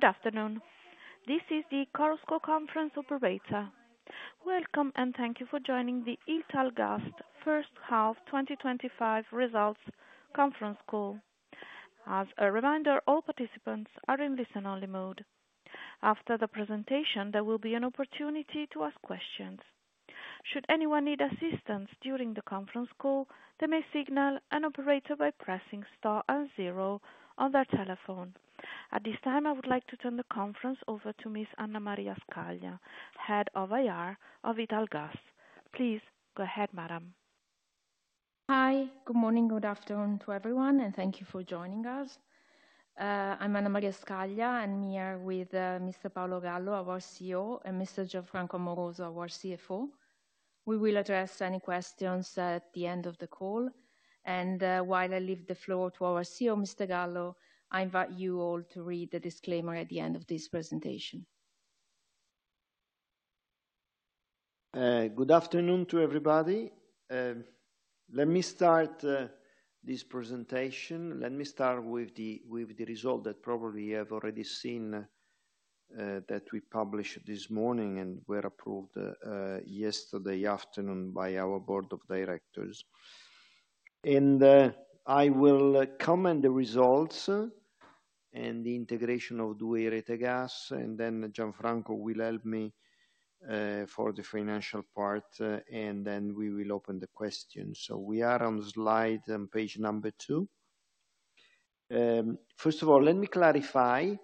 Good afternoon. This is the Chorus Call conference operator. Welcome and thank you for joining the Italgast First Half twenty twenty five Results Conference Call. As a reminder, all participants are in listen only mode. After the presentation, there will be an opportunity to ask questions. At this time, I would like to turn the conference over to Ms. Anna Maria Scalia, Head of IR of Ital Gas. Please go ahead, madam. Hi. Good morning, good afternoon to everyone, and thank you for joining us. I'm Ana Maria Scaglia, and I'm here with Mr. Paulo Gallo, our CEO and Mr. Giovanni Morozo, our CFO. We will address any questions at the end of the call. And while I leave the floor to our CEO, Mr. Gallo, I invite you all to read the disclaimer at the end of this presentation. Good afternoon to everybody. Let me start this presentation. Let me start with the result that probably you have already seen that we published this morning and were approved yesterday afternoon by our Board of Directors. And I will comment the results and the integration of Due Eretegas, and then Gianfranco will help me for the financial part, and then we will open the questions. So we are on slide on Page number two. First of all, let me clarify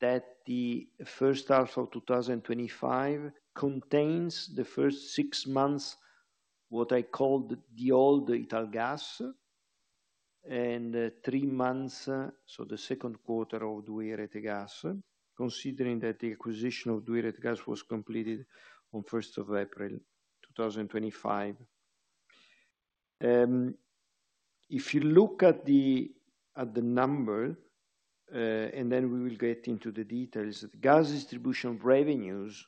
that the 2025 contains the first six months, what I called the old Ital Gas and three months, so the second quarter of DuiRetegas, considering that the acquisition of DuiRetegas was completed on April 1. If you look at the number, and then we will get into the details, gas distribution revenues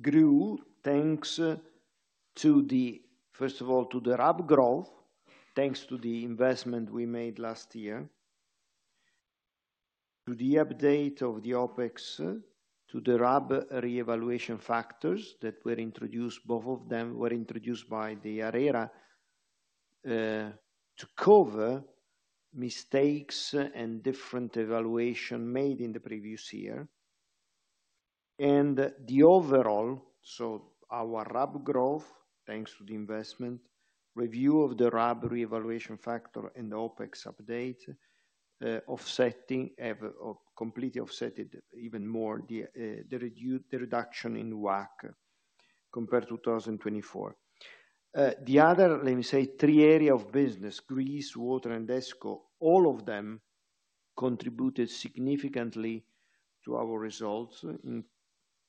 grew, thanks to the first of all, to the RAB growth, thanks to the investment we made last year, to the update of the OpEx, to the RAB reevaluation factors that were introduced both of them were introduced by the ARERA to cover mistakes and different evaluation made in the previous year. And the overall so our RAB growth, thanks to the investment, review of the RAB reevaluation factor and OpEx update, or completely offset it even more the reduction in WACC compared to 2024. The other, let me say, three area of business, grease, water and desco, all of them contributed significantly to our results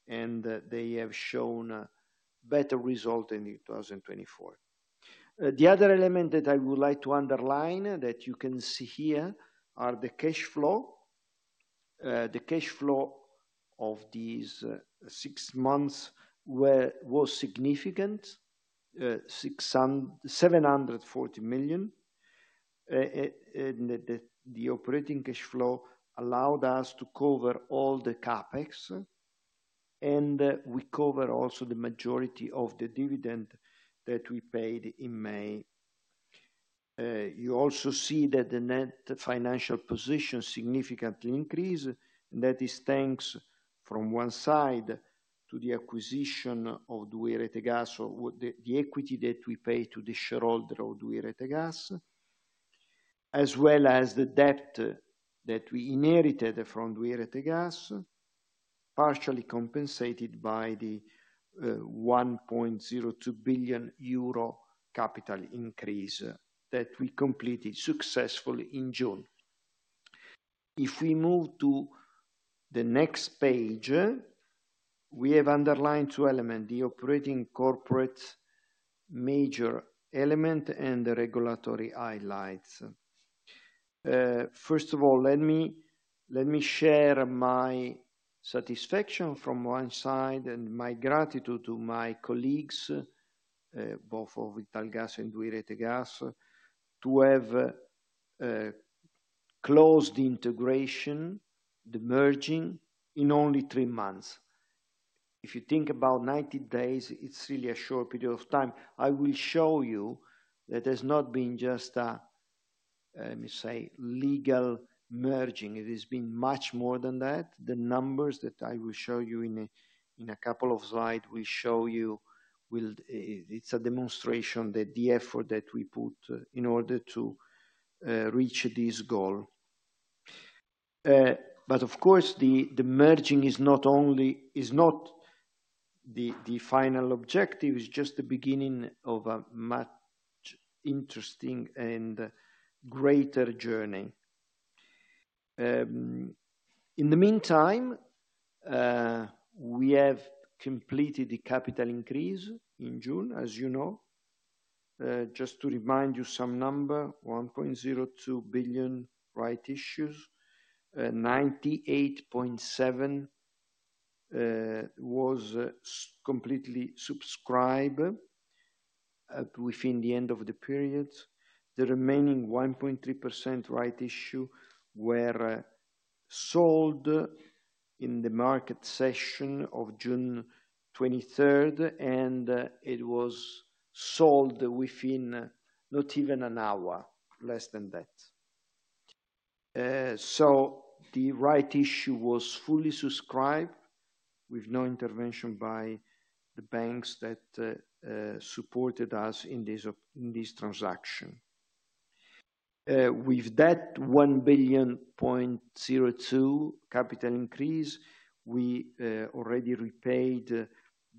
and they have shown better result in 2024. The other element that I would like to underline that you can see here are the cash flow. The cash flow of these six months was significant, $740,000,000. The operating cash flow allowed us to cover all the CapEx, and we cover also the majority of the dividend that we paid in May. You also see that the net financial position significantly increased, and that is thanks from one side to the acquisition of Duhear et Agas, the equity that we paid to the shareholder of Duhear et Agas as well as the debt that we inherited from Duhear et Agas, partially compensated by the €1,020,000,000 capital increase that we completed successfully in June. If we move to the next page, we have underlined two elements, the operating corporate major element and the regulatory highlights. First of all, let me share my satisfaction from one side and my gratitude to my colleagues, both of Vital Gas and DuiRe TeGas, to have closed the integration, the merging in only three months. If you think about ninety days, it's really a short period of time. I will show you that there's not been just a, let me say, legal merging. It has been much more than that. The numbers that I will show you in a couple of slides will show you will it's a demonstration that the effort that we put in order to reach this goal. But of course, the merging is not only is not the final objective, it's just the beginning of a much interesting and greater journey. In the meantime, we have completed the capital increase in June, as you know. Just to remind you some number, 1,020,000,000.00 right issues, 98,700,000,000.0 was completely subscribed within the end of the period. The remaining 1.3% right issue were sold in the market session of June 23, and it was sold within not even an hour, less than that. So the right issue was fully subscribed with no intervention by the banks that supported us in this transaction. With that 1,000,000,000,020,000,000.00 capital increase, we already repaid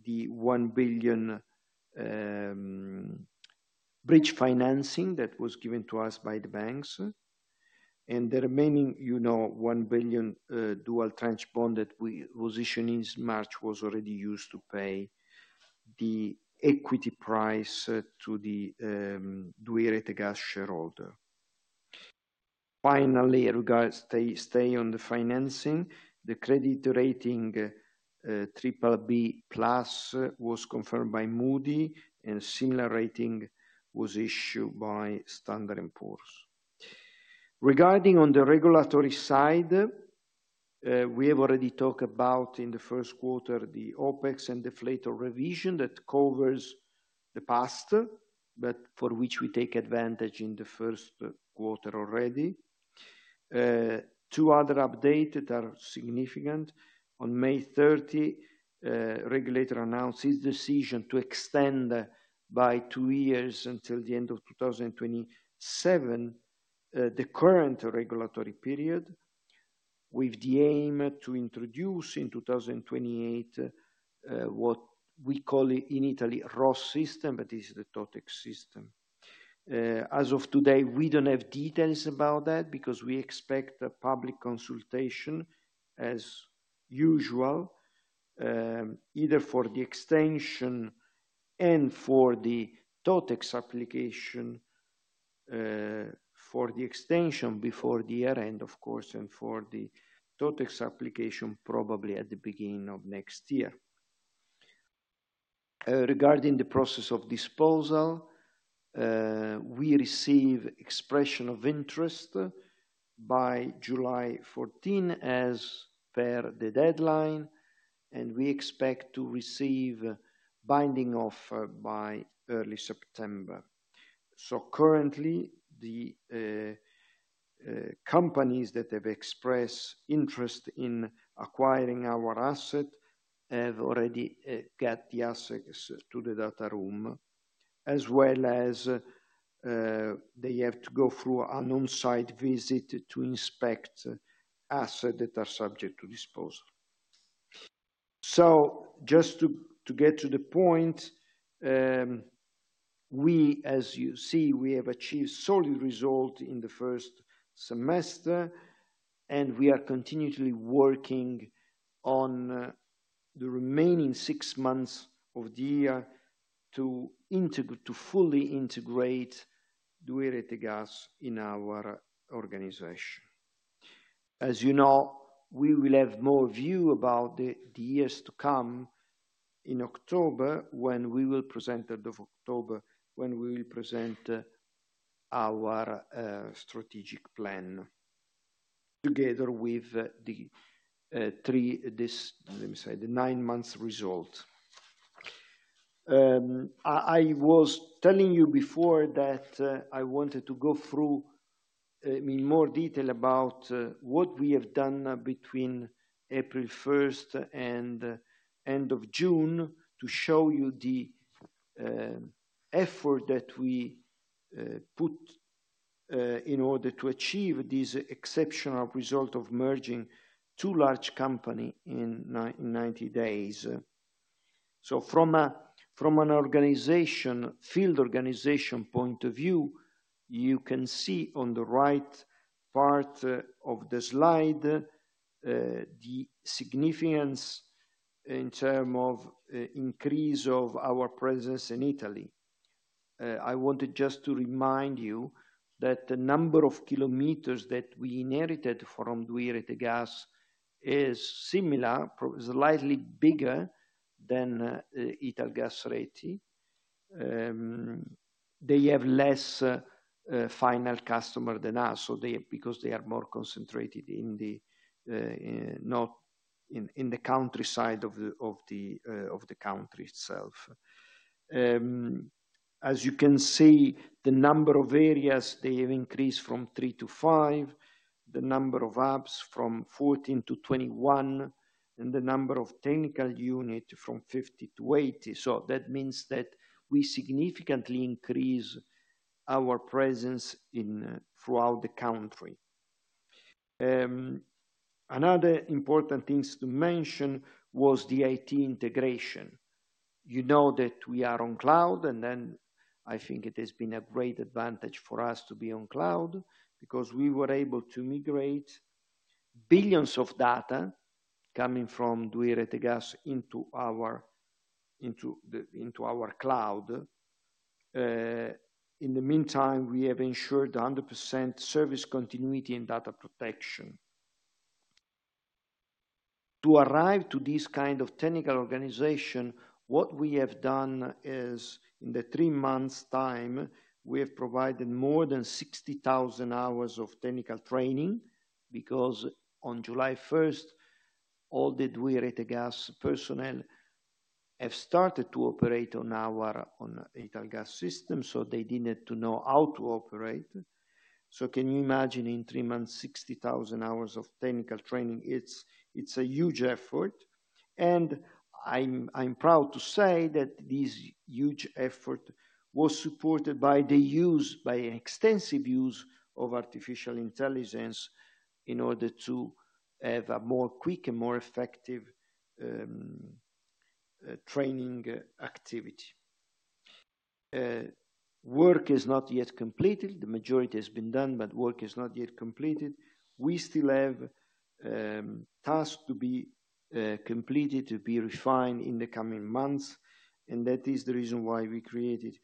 the $1,000,000,000 bridge financing that was given to us by the banks. And the remaining, you know, 1,000,000,000 dual tranche bond that we was issued in March was already used to pay the equity price to the Dweh Etegas shareholder. Finally, in regards to stay on the financing, the credit rating BBB plus was confirmed by Moody and similar rating was issued by Standard and Poor's. Regarding on the regulatory side, we have already talked about in the first quarter the OpEx and the fleet of revision that covers the past, but for which we take advantage in the first quarter already. Two other updates that are significant. On May 30, regulator announced its decision to extend by two years until the 2027 the current regulatory period with the aim to introduce in 2028 what we call in Italy ROS system, but this is the Totek system. As of today, we don't have details about that because we expect the public consultation as usual, either for the extension and for the totex application, for the extension before the year end, of course, and for the totex application probably at the beginning of next year. Regarding the process of disposal, we receive expression of interest by July 14 as per the deadline, and we expect to receive binding offer by early September. So currently, the companies that have expressed interest in acquiring our asset have already got the assets to the data room, as well as they have to go through an on-site visit to inspect assets that are subject to disposal. So just to get to the point, we as you see, we have achieved solid result in the first semester, and we are continuously working on the remaining six months of the year to integrate to fully integrate Duality Gas in our organization. As you know, we will have more view about the years to come in October we will present, October, when we will present our strategic plan together with the three this let me say, the nine months result. I was telling you before that I wanted to go through in more detail about what we have done between April 1 and June to show you the effort that we put in order to achieve this exceptional result of merging two large company in ninety days. So from an organization, field organization point of view, you can see on the right part of the slide, the significance in term of increase of our presence in Italy. I wanted just to remind you that the number of kilometers that we inherited from Dui Retegas is similar, slightly bigger than Ital Gas Reyti. They have less final customer than us. So they because they are more concentrated in the not in the countryside of the country itself. As you can see, the number of areas, they have increased from three to five, the number of hubs from 14 to 21, and the number of technical unit from 50 to 80. So that means that we significantly increase our presence in throughout the country. Another important things to mention was the IT integration. You know that we are on cloud and then I think it has been a great advantage for us to be on cloud, because we were able to migrate billions of data coming from DuiRetegas into our cloud. In the meantime, we have ensured 100% service continuity and data protection. To arrive to this kind of technical organization, what we have done is in the three months' time, we have provided more than sixty thousand hours of technical training because on July 1, all that we at the gas personnel have started to operate on our on gas system, so they didn't have to know how to operate. So can you imagine in three months, sixty thousand hours of technical training, it's a huge effort. And I'm proud to say that this huge effort was supported by the use, by an extensive use of artificial intelligence in order to have a more quick and more effective training activity. Work is not yet completed. The majority has been done, but work is not yet completed. We still have tasks to be completed, to be refined in the coming months, and that is the reason why we created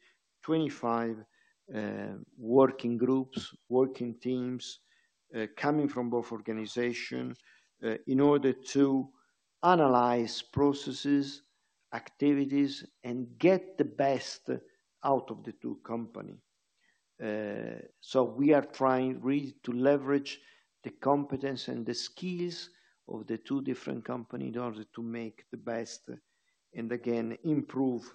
25 working groups, working teams coming from both organizations in order to analyze processes, activities, and get the best out of the two company. So we are trying really to leverage the competence and the skills of the two different company in order to make the best and again improve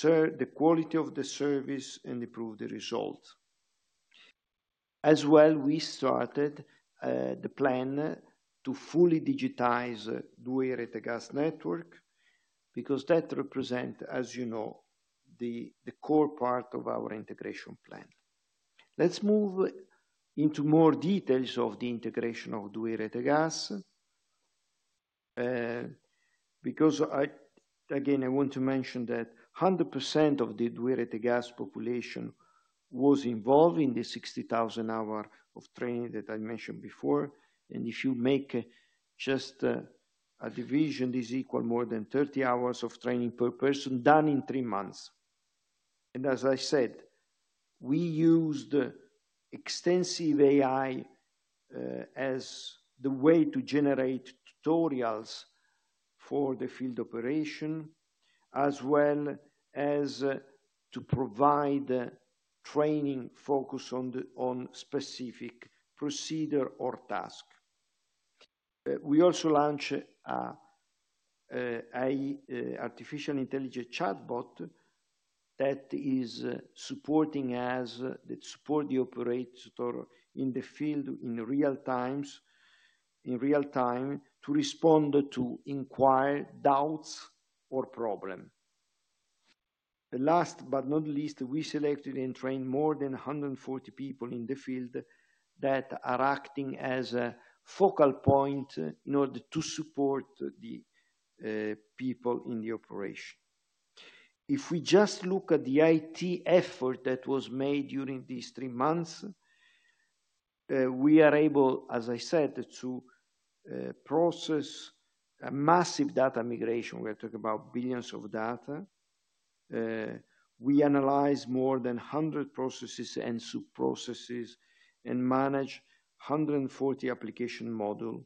the quality of the service and improve the results. As well, we started the plan to fully digitize DwayRetagas network because that represent, as you know, the core part of our integration plan. Let's move into more details of the integration of DweiRetagas, because I again, I want to mention that 100% of the Dwyer at the Gas population was involved in the sixty thousand hour of training that I mentioned before. And if you make just a division this equal more than thirty hours of training per person done in three months. And as I said, we used extensive AI as the way to generate tutorials for the field operation as well as to provide training focus on specific procedure or task. We also launched artificial intelligence chatbot that is supporting us, that support the operator in the field in real times, in real time to respond to inquire doubts or problem. Last but not least, we selected and trained more than 140 people in the field that are acting as a focal point in order to support the people in the operation. If we just look at the IT effort that was made during these three months, we are able, as I said, to process a massive data migration. We are talking about billions of data. We analyze more than 100 processes and sub processes and manage 140 application model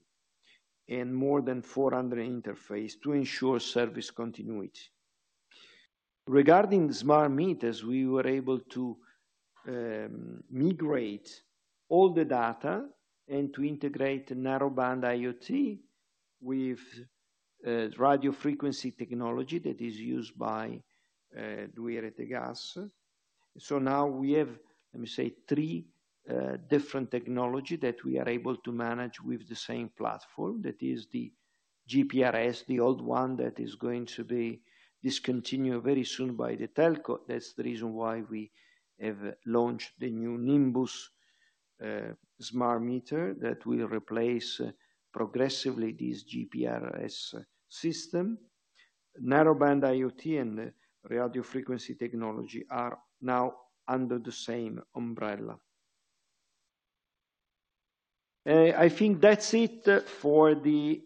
and more than 400 interface to ensure service continuity. Regarding smart meters, we were able to migrate all the data and to integrate narrowband IoT with radio frequency technology that is used by Duerettegas. So now we have, let me say, three different technology that we are able to manage with the same platform that is the GPRS, the old one that is going to be discontinued very soon by the telco. That's the reason why we have launched the new Nimbus smart meter that will replace progressively these GPRS system. Narrowband IoT and radio frequency technology are now under the same umbrella. I think that's it for the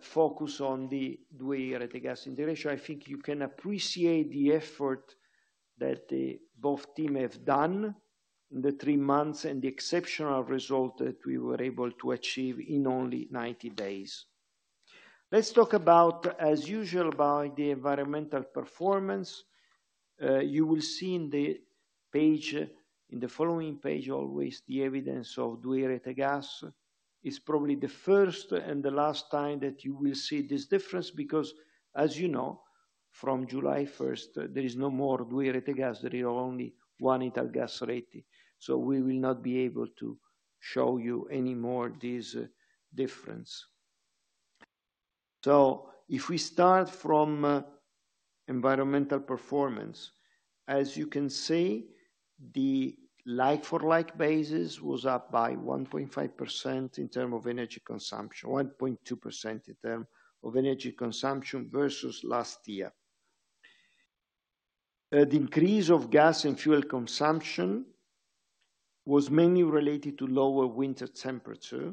focus on the way here at the gas integration. I think you can appreciate the effort that both team have done in the three months and the exceptional result that we were able to achieve in only ninety days. Let's talk about, as usual, about the environmental performance. You will see in the page in the following page always the evidence of Duhi Ereta gas is probably the first and the last time that you will see this difference because, as you know, from July 1, there is no more Duhi Ereta gas, there is only one Ital Gas Reyti. So we will not be able to show you any more this difference. So if we start from environmental performance, As you can see, the like for like basis was up by 1.5% in term of energy consumption, 1.2 in term of energy consumption versus last year. The increase of gas and fuel consumption was mainly related to lower winter temperature,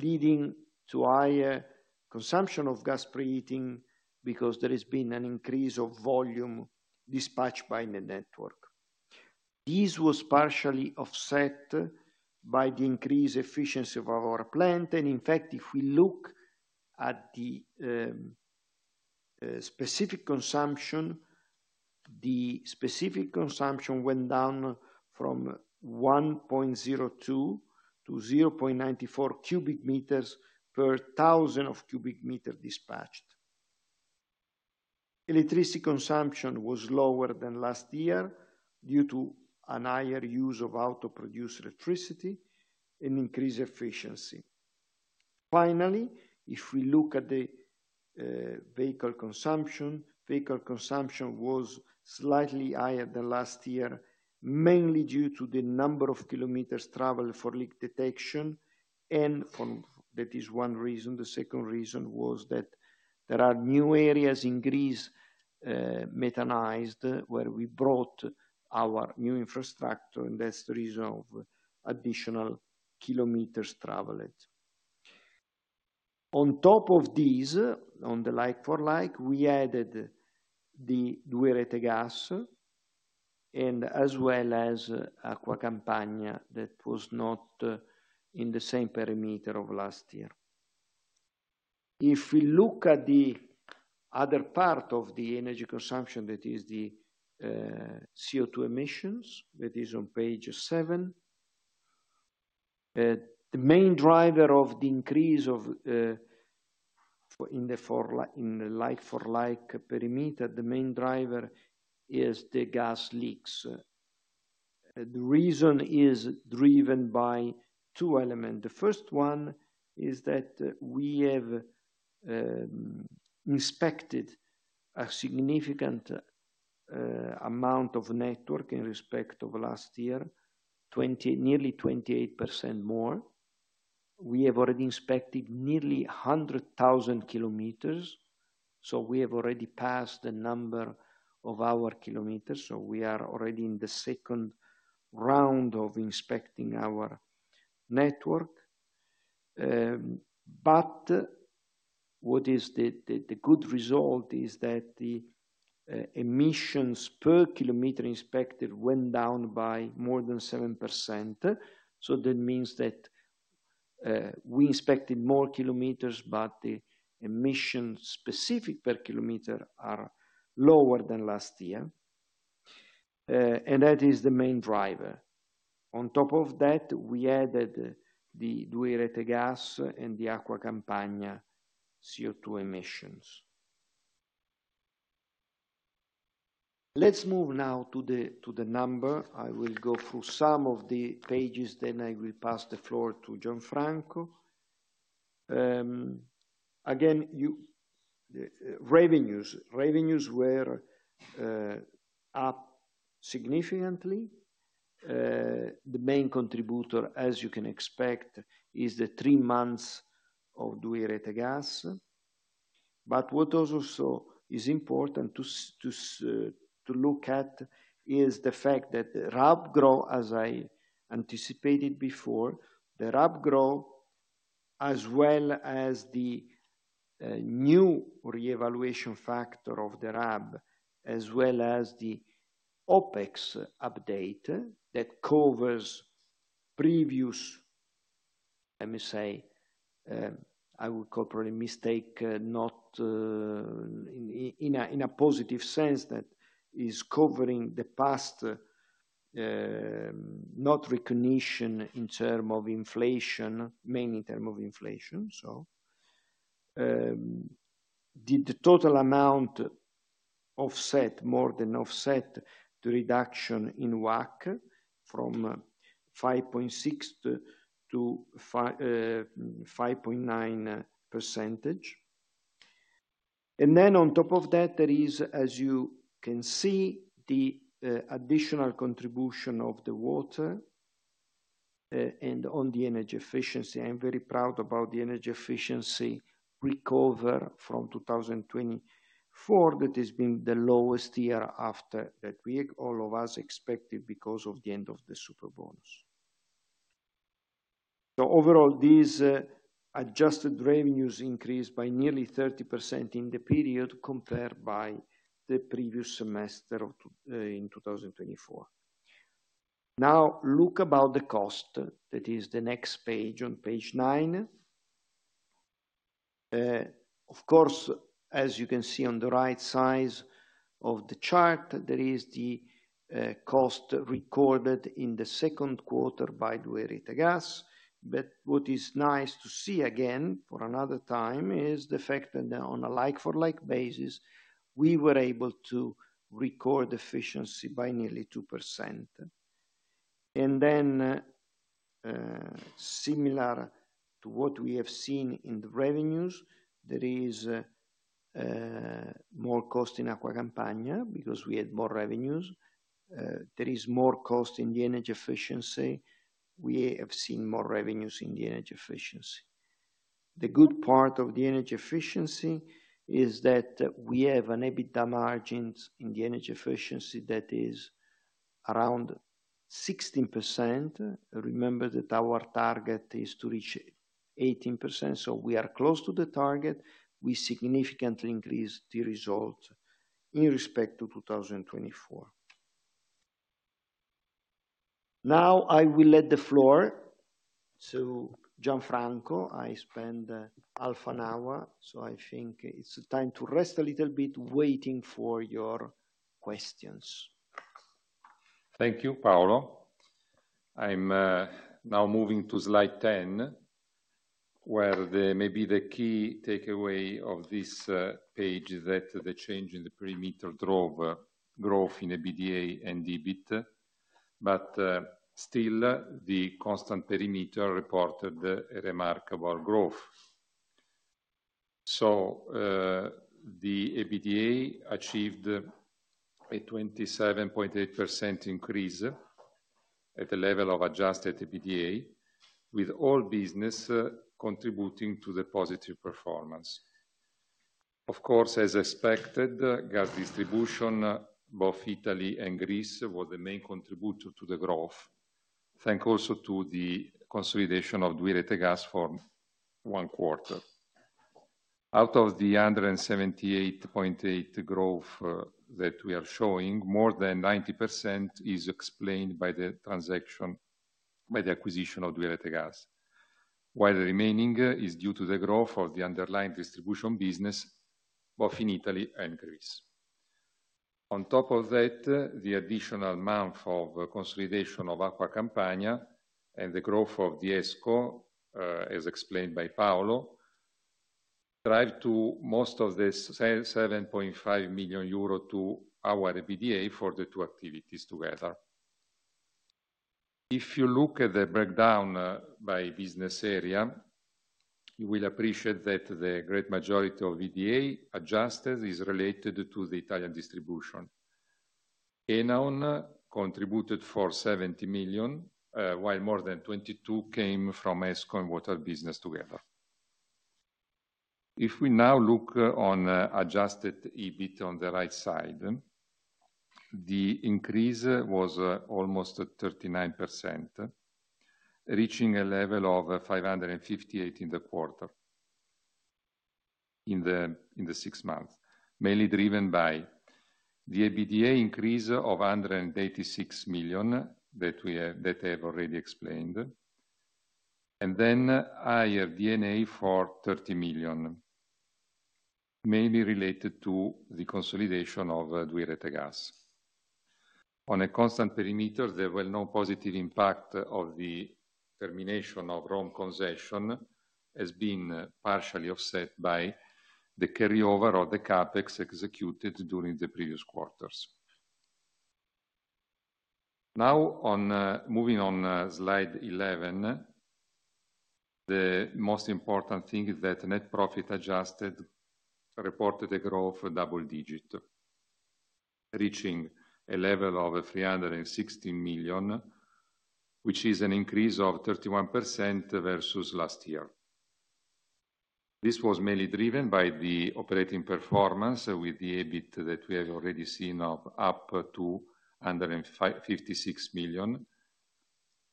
leading to higher consumption of gas preheating because there has been an increase of volume dispatched by the network. This was partially offset by the increased efficiency of our plant. And in fact, if we look at the specific consumption, the specific consumption went down from 1.02 to 0.94 cubic meters per 1,000 of cubic meter dispatched. Electricity consumption was lower than last year due to an higher use of auto produced electricity and increased efficiency. Finally, if we look at the vehicle consumption, vehicle consumption was slightly higher than last year, mainly due to the number of kilometers traveled for leak detection and that is one reason. The second reason was that there are new areas in Greece, mechanized where we brought our new infrastructure and that's the reason of additional kilometers traveled. On top of this, on the like for like, we added the Duehre Tegas and as well as Agua Campana that was not in the same perimeter of last year. If we look at the other part of the energy consumption that is the CO2 emissions, that is on Page seven, the main driver of the increase of in the like for like perimeter, the main driver is the gas leaks. The reason is driven by two elements. The first one is that we have inspected a significant amount of network in respect of last year, 20 nearly 28% more. We have already inspected nearly 100,000 kilometers. So we have already passed the number of our kilometers. So we are already in the second round of inspecting our network. But what is the good result is that the emissions per kilometer inspected went down by more than 7%. So that means that we expected more kilometers, but the emission specific per kilometer are lower than last year. And that is the main driver. On top of that, we added the Due Erette gas and the Aqua Campania CO2 emissions. Let's move now to the number. I will go through some of the pages, then I will pass the floor to Gianfranco. Again, revenues, revenues were up significantly. The main contributor, as you can expect, is the three months of Dui Eretagas. But what also is important to look at is the fact that RAB growth, as I anticipated before, the RAB growth as well as the new reevaluation factor of the RAB as well as the OpEx update that covers previous, I must say, I would call probably mistake, not in a positive sense that is covering the past, not recognition in term of inflation, mainly in term of inflation. Did the total amount offset more than offset the reduction in WACC from 5.6% to 5.9%. And then on top of that, there is, as you can see, the additional contribution of the water and on the energy efficiency. I'm very proud about the energy efficiency recover from 2024 that has been the lowest year after that week, all of us expected because of the end of the super bonus. So overall, these adjusted revenues increased by nearly 30% in the period compared by the previous semester in 2024. Now look about the cost, that is the next page on Page nine. Of course, as you can see on the right size of the chart, there is the cost recorded in the second quarter by Dueritegas. But what is nice to what we have seen in the revenues, there is more cost in Agua Campana because we had more revenues. There is more cost in the energy efficiency. We have seen more revenues in the energy efficiency. The good part of the energy efficiency is that we have an EBITDA margins in the energy efficiency that is around 16%. Remember that our target is to reach 18%. So we are close to the target. We significantly increased the result in respect to 2024. Now I will let the floor to Gianfranco. I spend half an hour. So I think it's time to rest a little bit waiting for your questions. Thank you, Paolo. I'm now moving to slide 10, where maybe the key takeaway of this page is that the change in the perimeter drove growth in EBITDA and EBIT, but still the constant perimeter reported a remarkable growth. So the EBITDA achieved a 27.8% increase at the level of adjusted EBITDA with all business contributing to the positive performance. Of course, as expected, gas distribution both Italy and Greece were the main contributor to the growth, thanks also to the consolidation of Duirettegas for one quarter. Out of the 178.8% growth that we are showing, more than 90% is explained by the transaction by the acquisition of Dueletegas, while the remaining is due to the growth of the underlying distribution business both in Italy and Greece. On top of that, the additional month of consolidation of Aqua Campania and the growth of the ESCO, as explained by Paolo, drive to most of this €7,500,000 to our EBITDA for the two activities together. If you look at the breakdown by business area, you will appreciate that the great majority of EBITDA adjusted is related to the Italian distribution. Enown contributed for €70,000,000 while more than 22,000,000 came from ESCO and Water business together. If we now look on adjusted EBIT on the right side, the increase was almost 39%, reaching a level of $558,000,000 in the quarter in the six months, mainly driven by the EBITDA increase of €186,000,000 that have that I've already explained. And then, I have D and A for 30,000,000 mainly related to the consolidation of Duerettegas. On a constant perimeter, there were no positive impact of the termination of ROM concession has been partially offset by the carryover of the CapEx executed during the previous quarters. Now on moving on slide 11, the most important thing is that net profit adjusted reported a growth of double digit reaching a level of €360,000,000 which is an increase of 31% versus last year. This was mainly driven by the operating performance with the EBIT that we have already seen of up to €156,000,000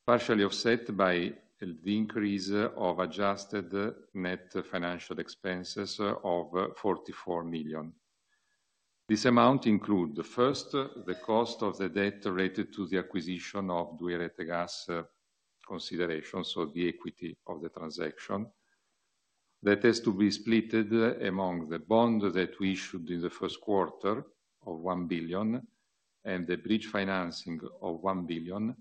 partially offset by the increase of adjusted net financial expense of €44,000,000 This amount include the first, the cost of the debt related to the acquisition of Dualetegas considerations, so the equity of the transaction That has to be splitted among the bond that we issued in the first quarter of €1,000,000,000 and the bridge financing of €1,000,000,000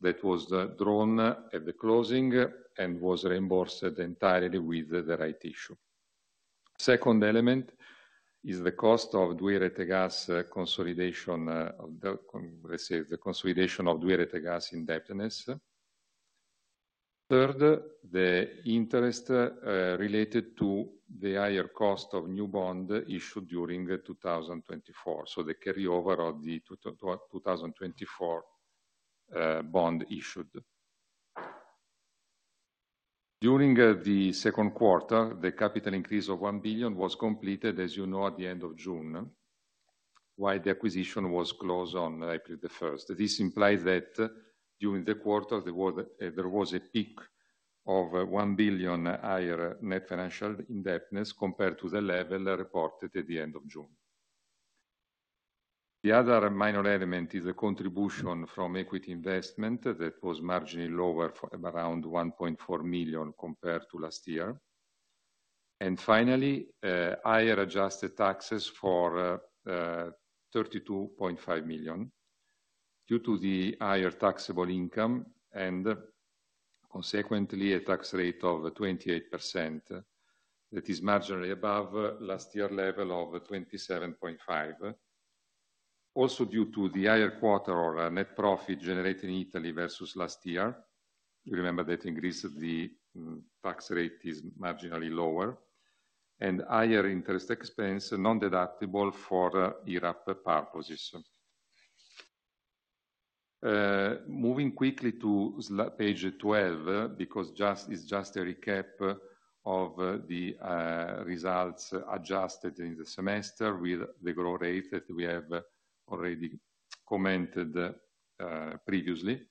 that was drawn at the closing and was reimbursed entirely with the right issue. Second element is the cost of Dwei Retegas consolidation let's say, the consolidation of Dwei Retegas indebtedness. Third, the interest related to the higher cost of new bond issued during 2024, so the carryover of the 2024 bond issued. During the second quarter, the capital increase of $1,000,000,000 was completed as you know at the June, while the acquisition was closed on April 1. This implies that during the quarter there was a peak of €1,000,000,000 higher net financial indebtedness compared to the level reported at the June. The other minor element is a contribution from equity investment that was marginally lower from around 1,400,000.0 compared to last year. And finally, higher adjusted taxes for $32,500,000 due to the higher taxable income and consequently a tax rate of 28% that is marginally above last year level of 27.5%. Also due to the higher quarter or net profit generated in Italy versus last year, Remember that in Greece, the tax rate is marginally lower. And higher interest expense, non deductible for the IRRAP par position. Moving quickly to page 12, because just it's just a recap of the results adjusted in the semester with the growth rate that we have already commented previously.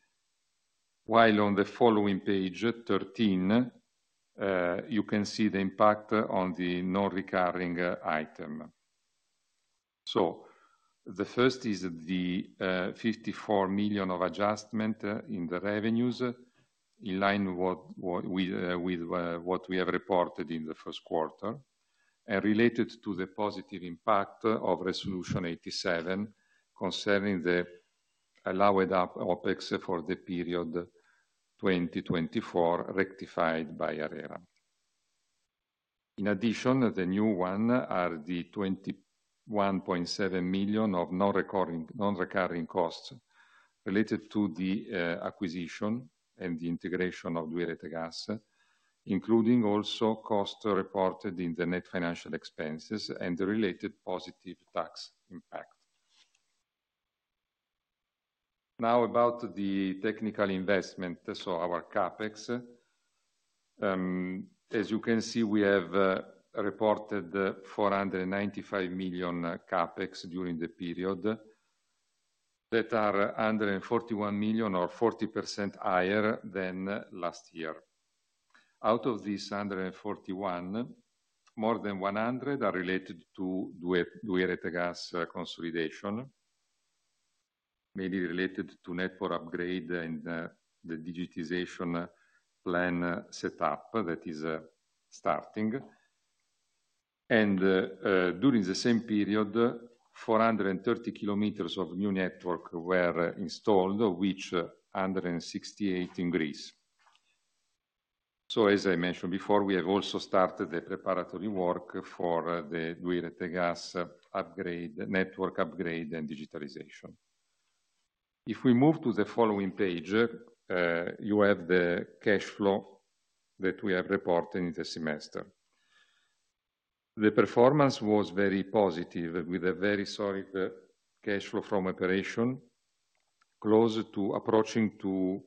While on the following page 13, you can see the impact on the nonrecurring item. So the first is the $54,000,000 of adjustment in the revenues in line with what we have reported in the first quarter and related to the positive impact of Resolution 87 concerning the allowed OpEx for the period 2024 rectified by ARERA. In addition, the new one are the $21,700,000 of non recurring costs related to the acquisition and the integration of Dueretigas, including also cost reported in the net financial expenses and the related positive tax impact. Now about the technical investment, so our CapEx. As you can see, we have reported $495,000,000 CapEx during the period that are $141,000,000 or 40% higher than last year. Out of these 141,000,000 more than 100,000,000 are related to Dwei Etergas consolidation, mainly related to network upgrade and the digitization plan setup that is starting. And during the same period, four thirty kilometers of new network were installed, which 168 in Greece. So as I mentioned before, we have also started the preparatory work for Duir ete gas upgrade network upgrade and digitalization. If we move to the following page, you have the cash flow that we have reported in the semester. The performance was very positive with a very solid cash flow from operation, close to approaching to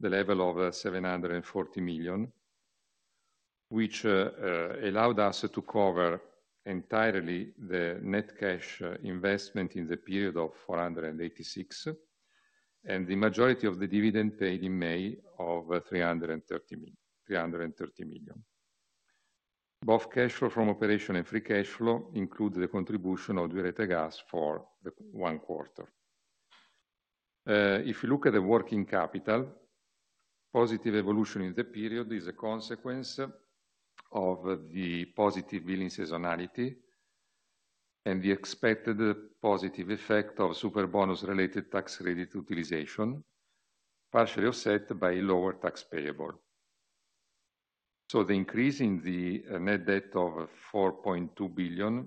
the level of €740,000,000 which allowed us to cover entirely the net cash investment in the period of April and the majority of the dividend paid in May of €330,000,000 Both cash flow from operation and free cash flow include the contribution of Duretta Gas for the one quarter. If you look at the working capital, positive evolution in the period is a consequence of the positive billing seasonality and the expected positive effect of super bonus related tax rate utilization, partially offset by lower tax payable. So the increase in the net debt of 4,200,000,000.0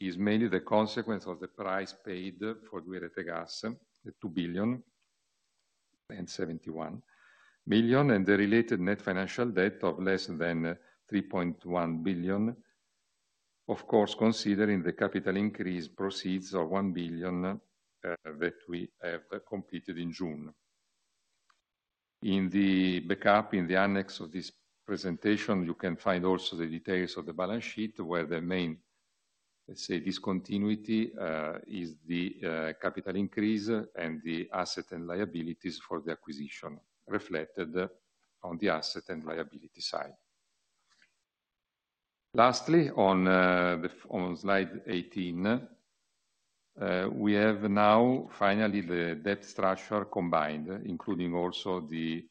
is mainly the consequence of the price paid for Duterte Gas, euros 2,710,000,000.00 and the related net financial debt of less than 3,100,000,000.0 Of course, the capital increase proceeds of €1,000,000,000 that we have completed in June. In the backup in the annex of this presentation, you can find also the details of the balance sheet where the main, let's say, discontinuity is the capital increase and the asset and liabilities for the acquisition reflected on the asset and liability side. Lastly, on slide 18, we have now finally the debt structure combined including also the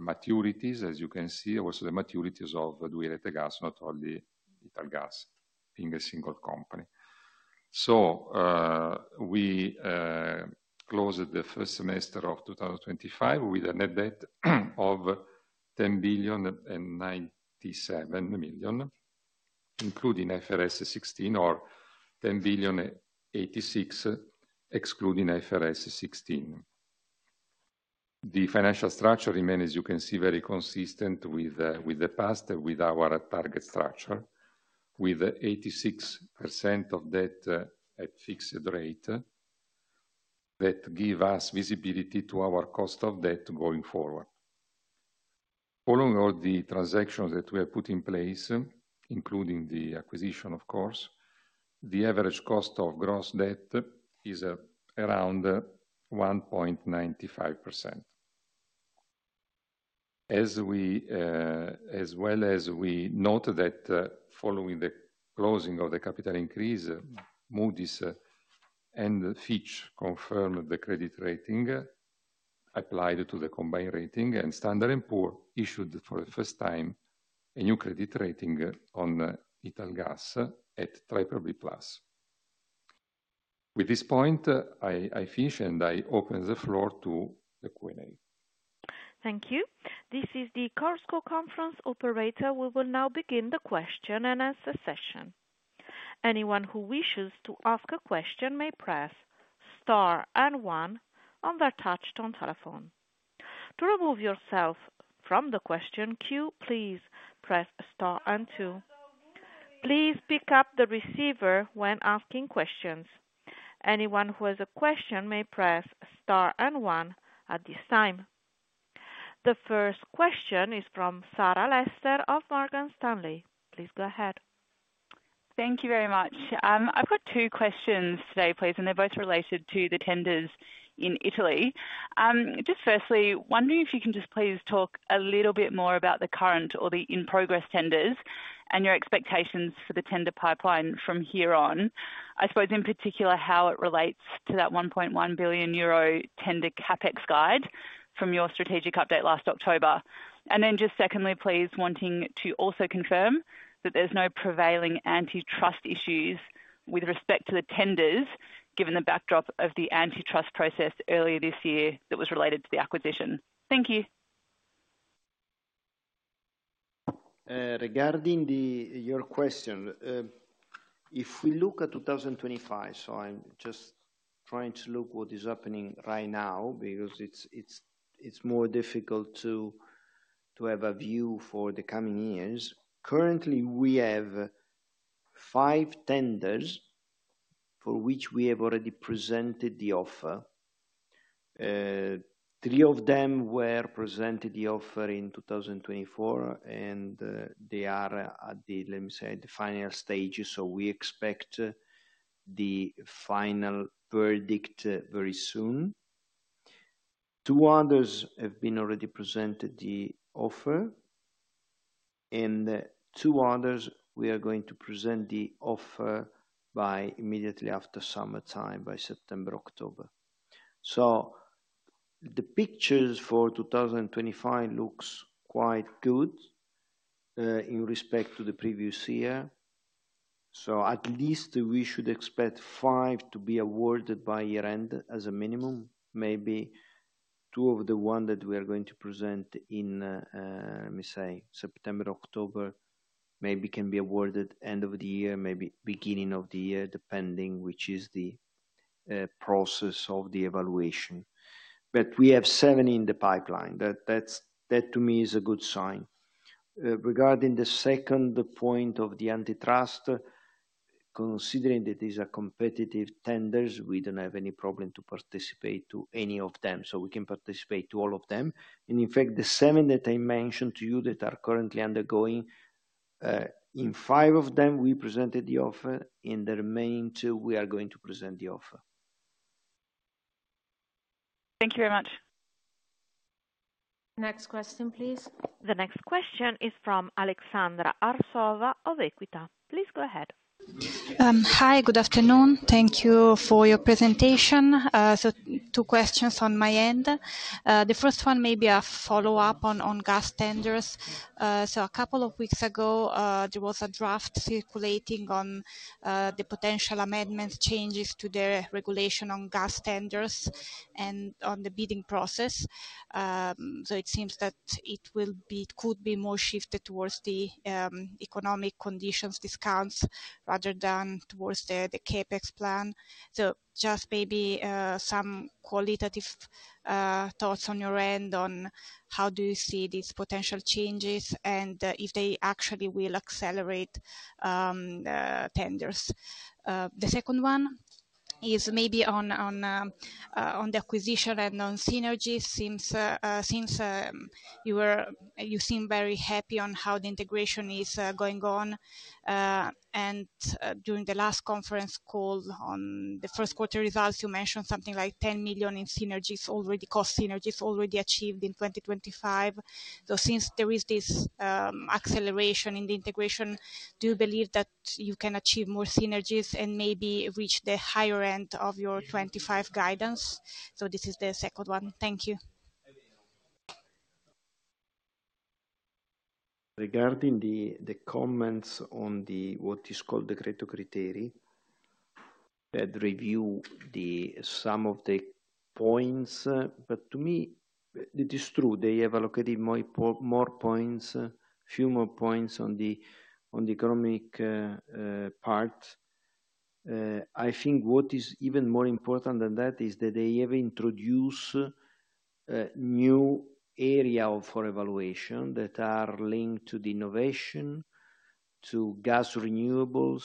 maturities as you can see also the maturities of Duerette Gas not only Ital Gas being a single company. So, we closed the first semester of twenty twenty five with a net debt of 10,097,000,000.000 including IFRS 16 or €10,086,000,000 excluding IFRS 16. The financial structure remain, as you can see, very consistent with the past with our target structure, with 86% of debt at fixed rate that give us visibility to our cost of debt going forward. Following all the transactions that we have put in place, including the acquisition of course, the average cost of gross debt is around 1.95%. As well as we noted that following the closing of the capital increase, Moody's and Fitch confirmed the credit rating applied to the combined rating and Standard and Poor issued for the first time a new credit rating on Ital Gas at Traper B plus With this point, I finish and I open the floor to the Q and A. Thank you. This is the CORSCO conference operator. We will now begin the question and answer session. The first question is from Sarah Lester of Morgan Stanley. Please go ahead. Thank you very much. I've got two questions today, please, and they're both related to the tenders in Italy. Just firstly, wondering if you can just please talk a little bit more about the current or the in progress tenders and your expectations for the tender pipeline from here on. I suppose in particular, how it relates to that 1,100,000,000.0 euro tender CapEx guide from your strategic update last October. And then just secondly, please, wanting to also confirm that there's no prevailing antitrust issues with respect to the tenders given the backdrop of the antitrust process earlier this year that was related to the acquisition. Thank you. Regarding your question, if we look at 2025, so I'm just trying to look what is happening right now because it's more difficult to have a view for the coming years. Currently, we have five tenders for which we have already presented the offer. Three of them were presented the offer in 2024, and they are at the, let me say, the final stages. So we expect the final verdict very soon. Two others have been already presented the offer. And two others, we are going to present the offer by immediately after summertime, by September, October. So the pictures for 2025 looks quite good in respect to the previous year. So at least we should expect five to be awarded by year end as a minimum, maybe two of the one that we are going to present in, let me say, September, October, maybe can be awarded end of the year, maybe beginning of the year, depending which is the process of the evaluation. But we have seven in the pipeline. That to me is a good sign. Regarding the second point of the antitrust, considering that these are competitive tenders, we don't have any problem to participate to any of them. So we can participate to all of them. And in fact, the seven that I mentioned to you that are currently undergoing, in five of them, we presented the offer. In the remaining two, we are going to present the offer. Thank you very much. Next question, please. The next question is from Aleksandra Arsova of Equita. Please go ahead. Hi, good afternoon. Thank you for your presentation. So two questions on my end. The first one, maybe a follow-up on gas tenders. So a couple of weeks ago, there was a draft circulating on the potential amendments changes to their regulation on gas tenders and on the bidding process. So it seems that it will be could be more shifted towards the economic conditions discounts rather than towards the CapEx plan. So just maybe some qualitative thoughts on your end on how do you see these potential changes and if they actually will accelerate tenders? The second one is maybe on the acquisition and on synergies. Since you were you seem very happy on how the integration is going on. And during the last conference call on the first quarter results, you mentioned something like €10,000,000 in synergies, already cost synergies already achieved in 2025. So since there is this acceleration in the integration, do you believe that you can achieve more synergies and maybe reach the higher end of your 2025 guidance? So this is the second one. Thank you. Regarding the comments on the what is called the greater criteria that review the some of the points, but to me, it is true. They have allocated more points, few more points on the economic part. I think what is even more important than that is that they have introduced new area for evaluation that are linked to the innovation, to gas renewables,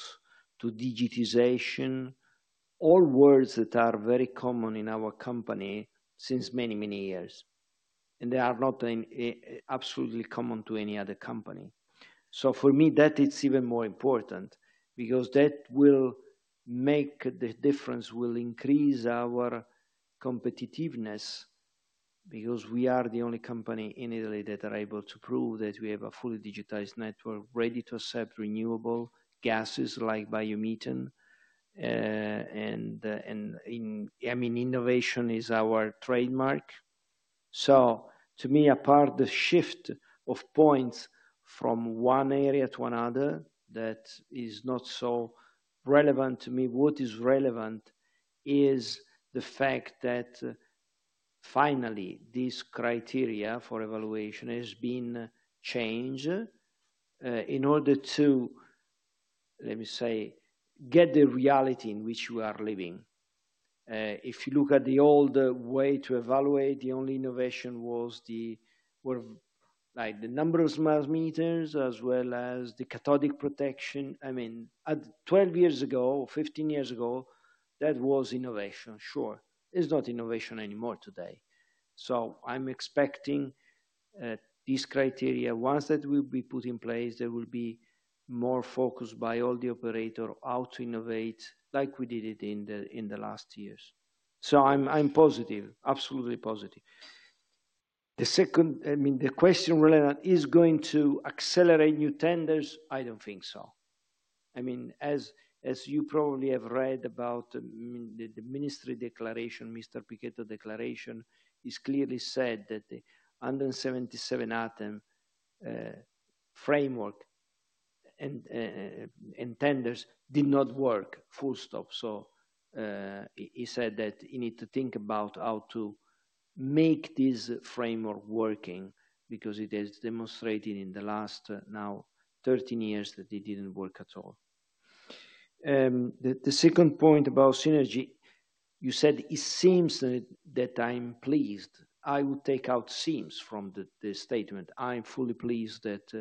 to digitization, all words that are very common in our company since many, many years. And they are not absolutely common to any other company. So for me, that is even more important because that will make the difference, will increase our competitiveness because we are the only company in Italy that are able prove that we have a fully digitized network ready to accept renewable gases like biomethane. I mean, innovation is our trademark. So to me, a part of the shift of points from one area to another that is not so relevant to me. What is relevant is the fact that finally, these criteria for evaluation has been changed in order to, let me say, get the reality in which we are living. If you look at the old way to evaluate, the only innovation was the were like the number of smart meters as well as the cathodic protection. I mean, twelve years ago or fifteen years ago, that was innovation, sure. It's not innovation anymore today. So I'm expecting these criteria, once that will be put in place, there will be more focus by all the operator how to innovate like we did it in the last years. So I'm positive, absolutely positive. The second I mean, the question related is going to accelerate new tenders, I don't think so. I mean, as you probably have read about the ministry declaration, Mr. Piquetto declaration, it's clearly said that the 01/1977 ATEM framework and tenders did not work, full stop. So he said that you need to think about how to make this framework working because it has demonstrated in the last now thirteen years that it didn't work at all. The second point about synergy, you said it seems that I'm pleased. I would take out seems from the statement. I'm fully pleased that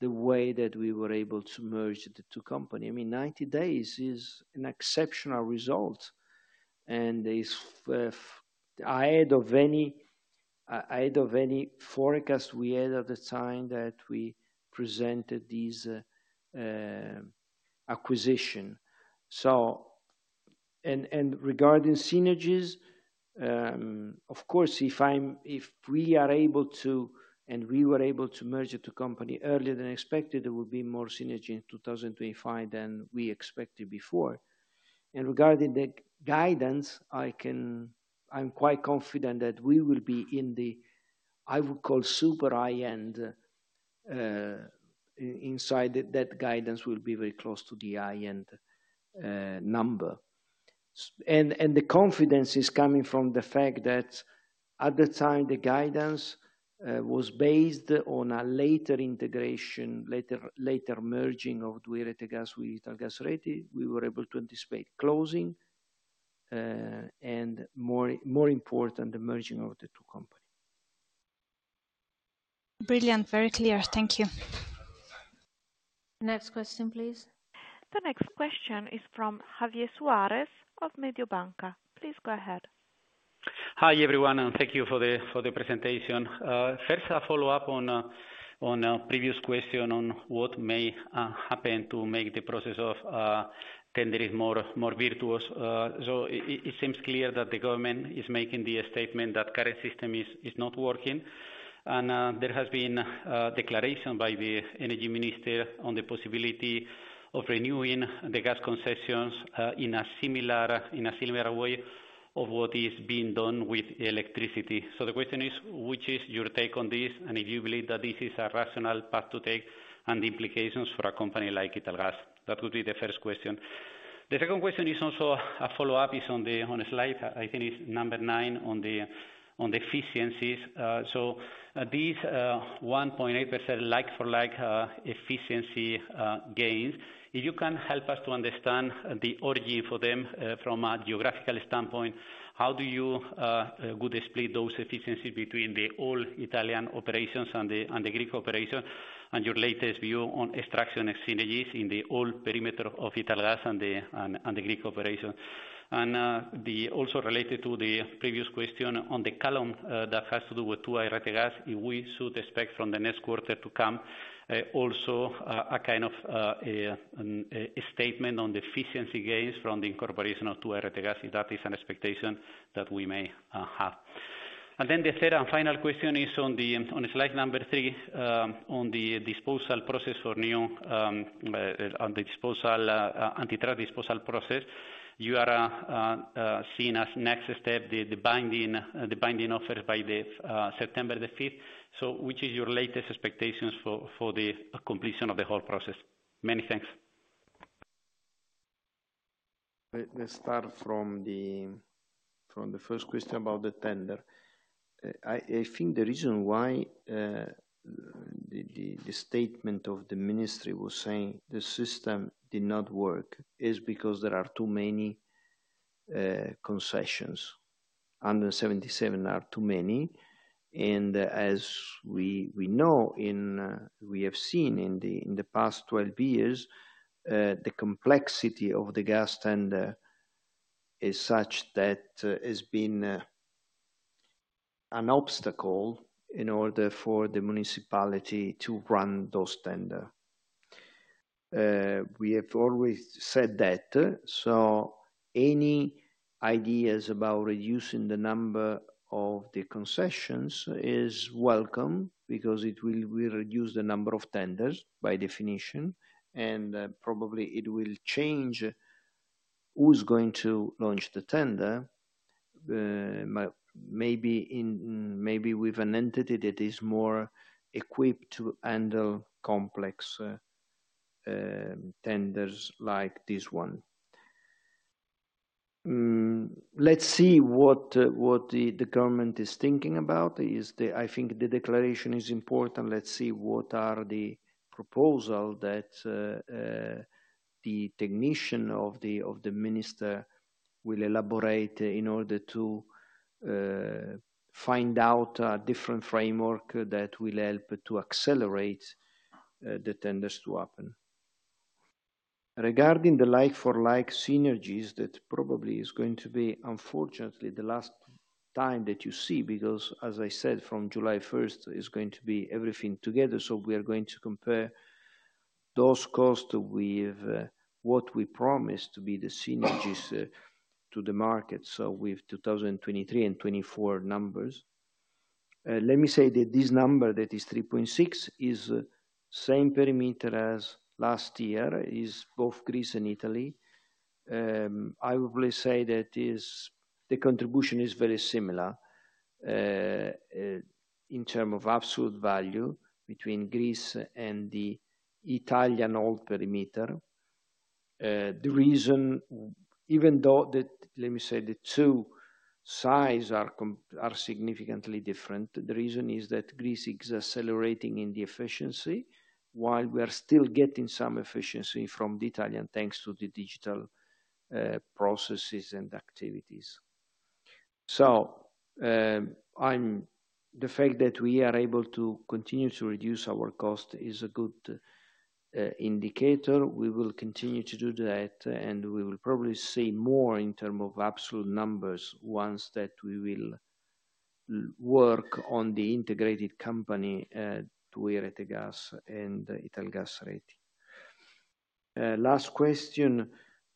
the way that we were able to merge the two company. I mean, days is an exceptional result. Ahead of any forecast we had at the time that we presented this acquisition. So and regarding synergies, of course, if I'm if we are able to and we were able to merge the company earlier than expected, there will be more synergy in 2025 than we expected before. And regarding the guidance, I can I'm quite confident that we will be in the, I would call, super high end inside that guidance will be very close to the high end number. And the confidence is coming from the fact that at the time, the guidance was based on a later integration, later merging of DuiRetegas with ItalGasreti. We were able to anticipate closing and more important, the merging of the two companies. Brilliant. Very clear. Thank you. Next question please. The next question is from Javier Suarez of Mediobanca. Please go ahead. Hi, everyone, and thank you for the presentation. First, a follow-up on a previous question on what may happen to make the process of tendering more virtuous. So it seems clear that the government is making the statement that current system is not working. And there has been a declaration by the Energy Minister on the possibility of renewing the gas concessions in a similar way of what is being done with electricity. So the question is, which is your take on this? And if you believe that this is a rational path to take and the implications for a company like Ital Gas? That would be the first question. The second question is also a follow-up is on the slide, I think it's number nine on efficiencies. So these 1.8% like for like efficiency gains, If you can help us to understand the orgy for them from a geographical standpoint, how do you would split those efficiency between the old Italian operations and Greek operation and your latest view on extraction and synergies in the old perimeter of Ital Gas and the Greek operation. And the also related to the previous question on the column that has to do with two Airategas, we should expect from the next quarter to come also a kind of a statement on the efficiency gains from the incorporation of Tuaretegas, if that is an expectation that we may have. And then the third and final question is on the slide number three, on the disposal process for NEO on the disposal anti drug disposal process. You are seeing as next step the binding offer by the September 5. So which is your latest expectations for the completion of the whole process? Many thanks. Let's start from the first question about the tender. I think the reason why the the the statement of the ministry was saying the system did not work is because there are too many concessions. 177 are too many. And as we know in we have seen in the past twelve years, the complexity of the gas tender is such that it's been an obstacle in order for the municipality to run those tender. We have always said that. So any ideas about reducing the number of the concessions is welcome because it will reduce the number of tenders by definition. And probably, it will change who's going to launch the tender, maybe in maybe with an entity that is more equipped to handle complex tenders like this one. Let's see what what the government is thinking about is the I think the declaration is important. Let's see what are the proposal that the technician of minister will elaborate in order to find out a different framework that will help to accelerate the tenders to happen. Regarding the like for like synergies that probably is going to be unfortunately the last time that you see because, as I said, from July 1, it's going to be everything together. So we are going to compare those costs with what we promised to be the synergies to the market, so with 2023 and 2024 numbers. Let me say that this number that is 3.6 is same perimeter as last year, is both Greece and Italy. I will say that is the contribution is very similar in term of absolute value between Greece and the Italian old perimeter. The reason, even though that, let me say, the two sides are significantly different, the reason is that Greece is accelerating in the efficiency, while we are still getting some efficiency from the Italian, thanks to the digital processes and activities. So, I'm the fact that we are able to continue to reduce our cost is a good indicator. We will continue to do that, and we will probably see more in term of absolute numbers once that we will work on the integrated company to Eretegas and ItalGasreti. Last question,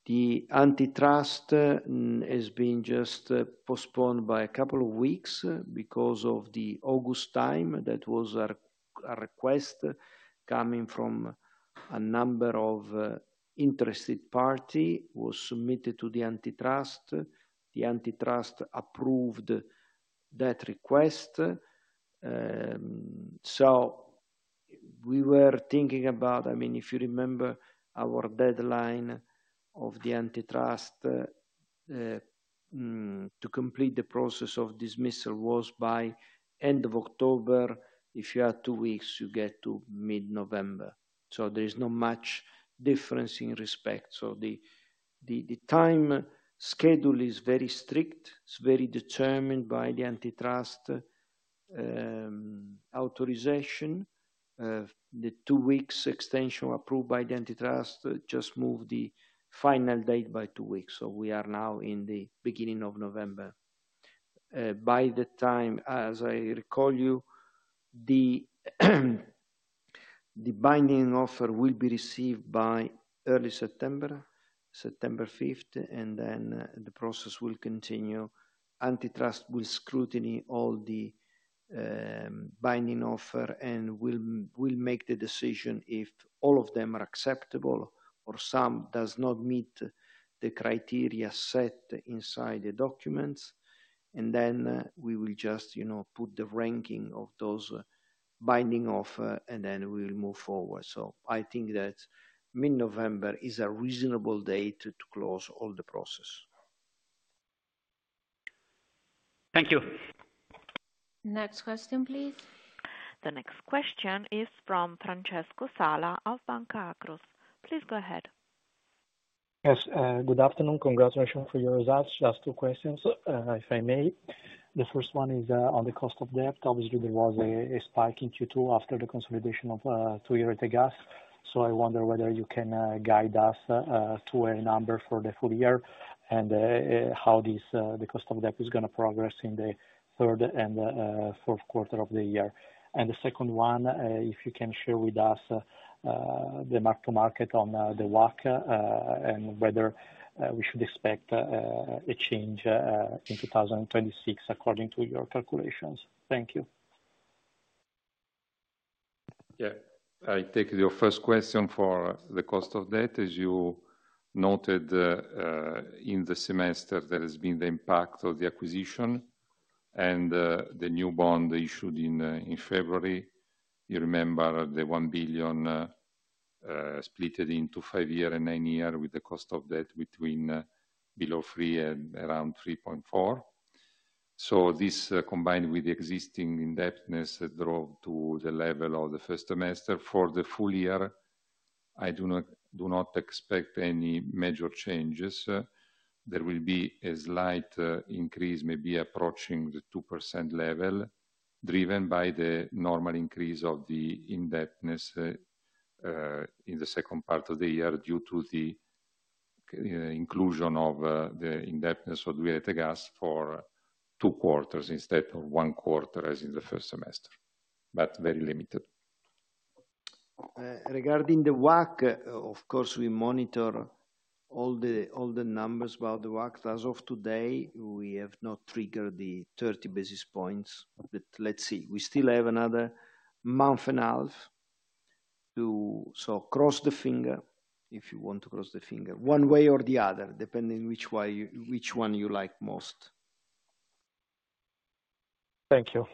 the antitrust has been just postponed by a couple of weeks because of the August time that was a request coming from a number of interested party was submitted to the antitrust. The antitrust approved that request. So we were thinking about I mean, if you remember, our deadline of the antitrust to complete the process of dismissal was by October. If you have two weeks, you get to mid November. So there is not much difference in respect. So the time schedule is very strict. It's very determined by the antitrust authorization. The two weeks extension approved by the antitrust just moved the final date by two weeks. So we are now in the November. By the time, as I recall you, the binding offer will be received by early September, September 5, then the process will continue. Antitrust will scrutiny all the binding offer and will make the decision if all of them are acceptable or some does not meet the criteria set inside the documents. And then we will just put the ranking of those binding offer and then we will move forward. So I think that mid November is a reasonable date to close all the process. Thank you. Next question please. The next question is from Francesco Sala of Banco Acros. Please go ahead. Yes. Good afternoon. Congratulations for your results. Just two questions, if I may. The first one is on the cost of debt. Obviously, was a spike in Q2 after the consolidation of Tuilhertigas. So I wonder whether you can guide us to a number for the full year and how this the cost of debt is going to progress in the third and fourth quarter of the year? And the second one, if you can share with us the mark to market on the WACC whether we should expect a change in 2026 according to your calculations? Thank you. Yes. I take your first question for the cost of debt. As you noted in the semester, there has been the impact of the acquisition and the new bond issued in February. You remember the 1,000,000,000 split it into five year and nine year with the cost of debt between below three and around 3.4. So this combined with the existing indebtedness drove to the level of the first semester. For the full year, I do not expect any major changes. There will be a slight increase maybe approaching the 2% level, driven by the normal increase of the indebtedness in the second part of the year due to the inclusion of the indebtedness of the Energas for two quarters instead of one quarter as in the first semester, but very limited. Regarding the WACC, of course, we monitor all the numbers about the WACC. As of today, we have not triggered the 30 basis points. But let's see, we still have another one months point to so cross the finger, if you want to cross the finger, one way or the other, depending which one you like most. Thank you.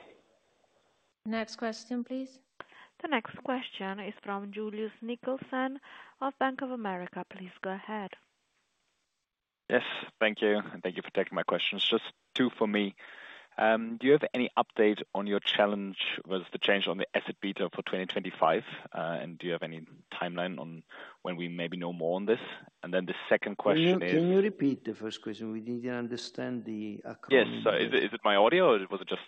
Next question, please. The next question is from Julius Nicolson of Bank of America. Please go ahead. Yes, thank you. Thank you for taking my questions. Just two for me. Do you have any update on your challenge with the change on the asset beta for 2025? And do you have any time line on when we maybe know more on this? And then the second question you repeat the first question? We didn't understand the Yes. Sorry. Is it my audio? Was it just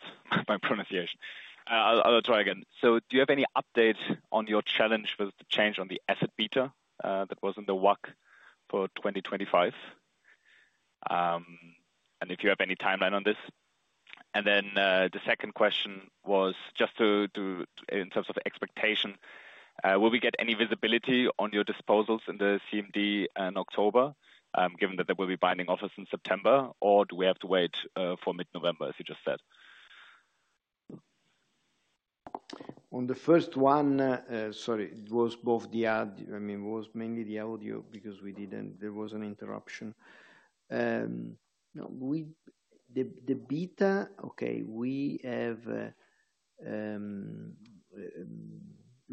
my pronunciation? I'll try again. So do you have any updates on your challenge with the change on the asset beta that was in the WACC for 2025? And if you have any time line on this? And then the second question was just to in terms of expectation, will we get any visibility on your disposals in the CMD in October, given that there will be binding offers in September? Or do we have to wait for mid November, as you just said? On the first one, sorry, it was both the add I mean, it was mainly the audio because we didn't there was an interruption. The beta, okay, we have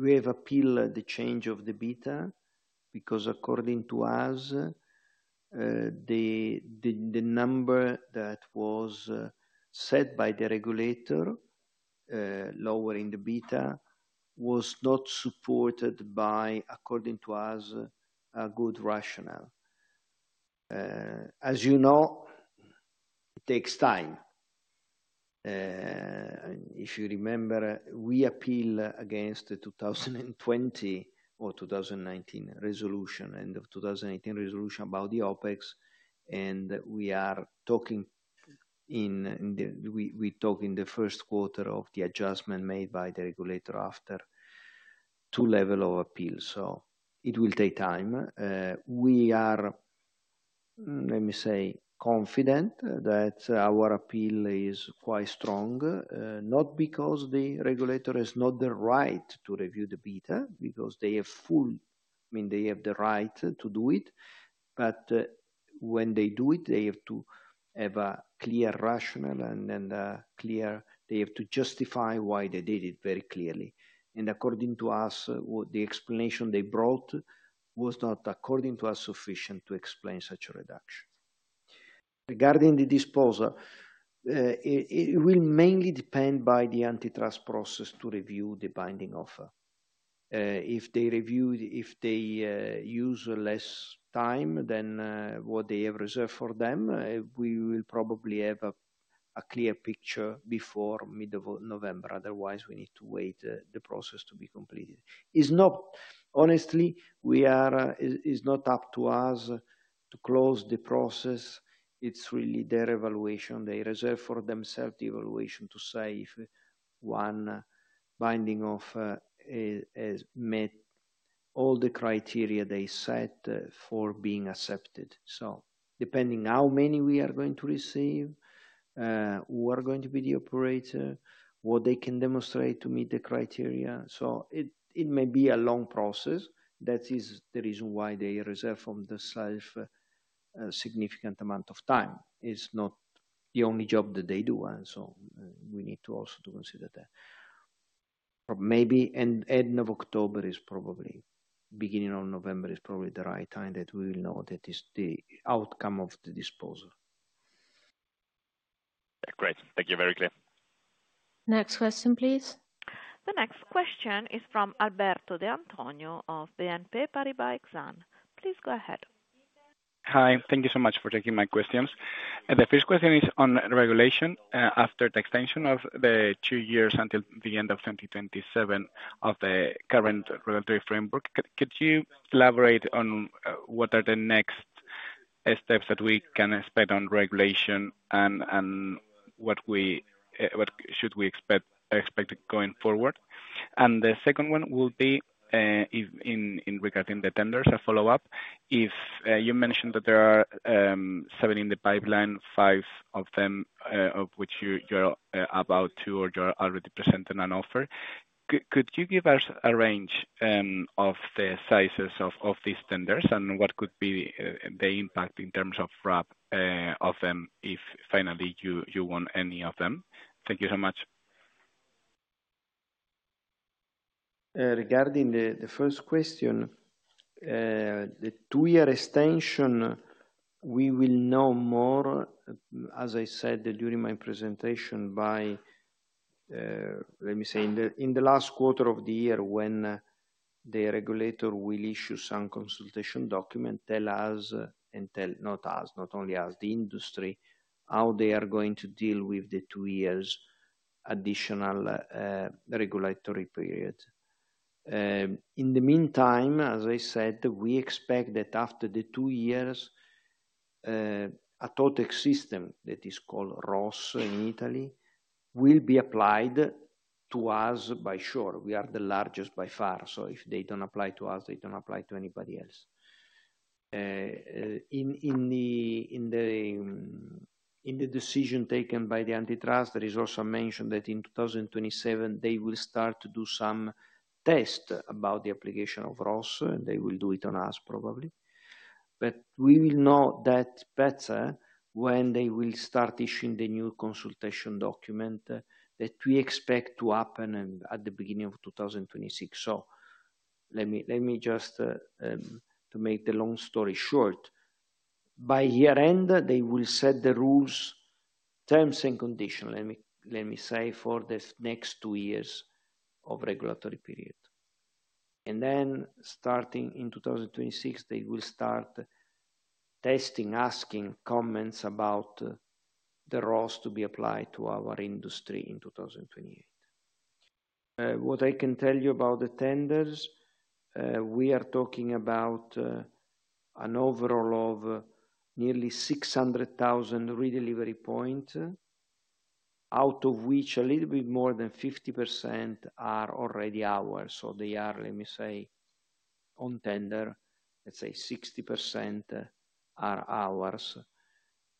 have appealed the change of the beta because according to us, the number that was set by the regulator lowering the beta was not supported by according to us a good rationale. As you know, it takes time. If you remember, we appeal against the 2020 or 2019 resolution, 2018 resolution about the OpEx. And we are talking in the we talk in the first quarter of the adjustment made by the regulator after two level of appeals. So it will take time. We are, let me say, confident that our appeal is quite strong, not because the regulator has not the right to review the beta, because they have full I mean, they have the right to do it. But when they do it, they have to have a clear rationale and then clear they have to justify why they did it very clearly. And according to us, the explanation they brought was not according to us sufficient to explain such a reduction. Regarding the disposal, it will mainly depend by the antitrust process to review the binding offer. If they review if they use less time than what they have reserved for them, we will probably have a clear picture before November. Otherwise, we need to wait the process to be completed. It's not honestly, we are it's not up to us to close the process. It's really their evaluation. They reserve for themselves the evaluation to say if one binding offer has met all the criteria they set for being accepted. So depending how many we are going to receive, who are going to be the operator, what they can demonstrate to meet the criteria. So it may be a long process. That is the reason why they reserve from the self a significant amount of time. It's not the only job that they do. And so we need to also consider that. Or maybe October is probably November is probably the right time that we will know that is the outcome of the disposal. Great. Thank you. Very clear. Next question, please. The next question is from Alberto De Antonio of BNP Paribas Exane. Please go ahead. Hi. Thank you so much for taking my questions. The first question is on regulation after the extension of the two years until the 2027 of the current regulatory framework. Could you elaborate on what are the next steps that we can expect on regulation and what we what should we expect going forward? And the second one will be in regarding the tenders, a follow-up. If you mentioned that there are seven in the pipeline, five of them of which you're about to or you're already presenting an offer. Could you give us a range of the sizes of these tenders? And what could be the impact in terms of wrap of them if finally you want any of them? Thank you so much. Regarding the first question, the two year extension, we will know more, as I said during my presentation, by let me say, in the last quarter of the year when the regulator will issue some consultation document, tell us and tell not us, not only us, the industry, how they are going to deal with the two years additional regulatory period. In the meantime, as I said, we expect that after the two years, totex system that is called ROS in Italy will be applied to us by shore. We are the largest by far. So if they don't apply to us, they don't apply to anybody else. In the decision taken by the antitrust, there is also mentioned that in 2027, they will start to do some test about the application of ROSA, and they will do it on us probably. But we will know that better when they will start issuing the new consultation document that we expect to happen at the beginning of twenty twenty six. So let me just, to make the long story short, by year end, they will set the rules, terms and conditions, let me say, for this next two years of regulatory period. And then starting in 2026, they will start testing, asking comments about the roles to be applied to our industry in 2028. What I can tell you about the tenders, we are talking about an overall of nearly 600,000 redelivery points, out of which a little bit more than 50% are already ours. So they are, let me say, on tender, let's say, 60% are hours.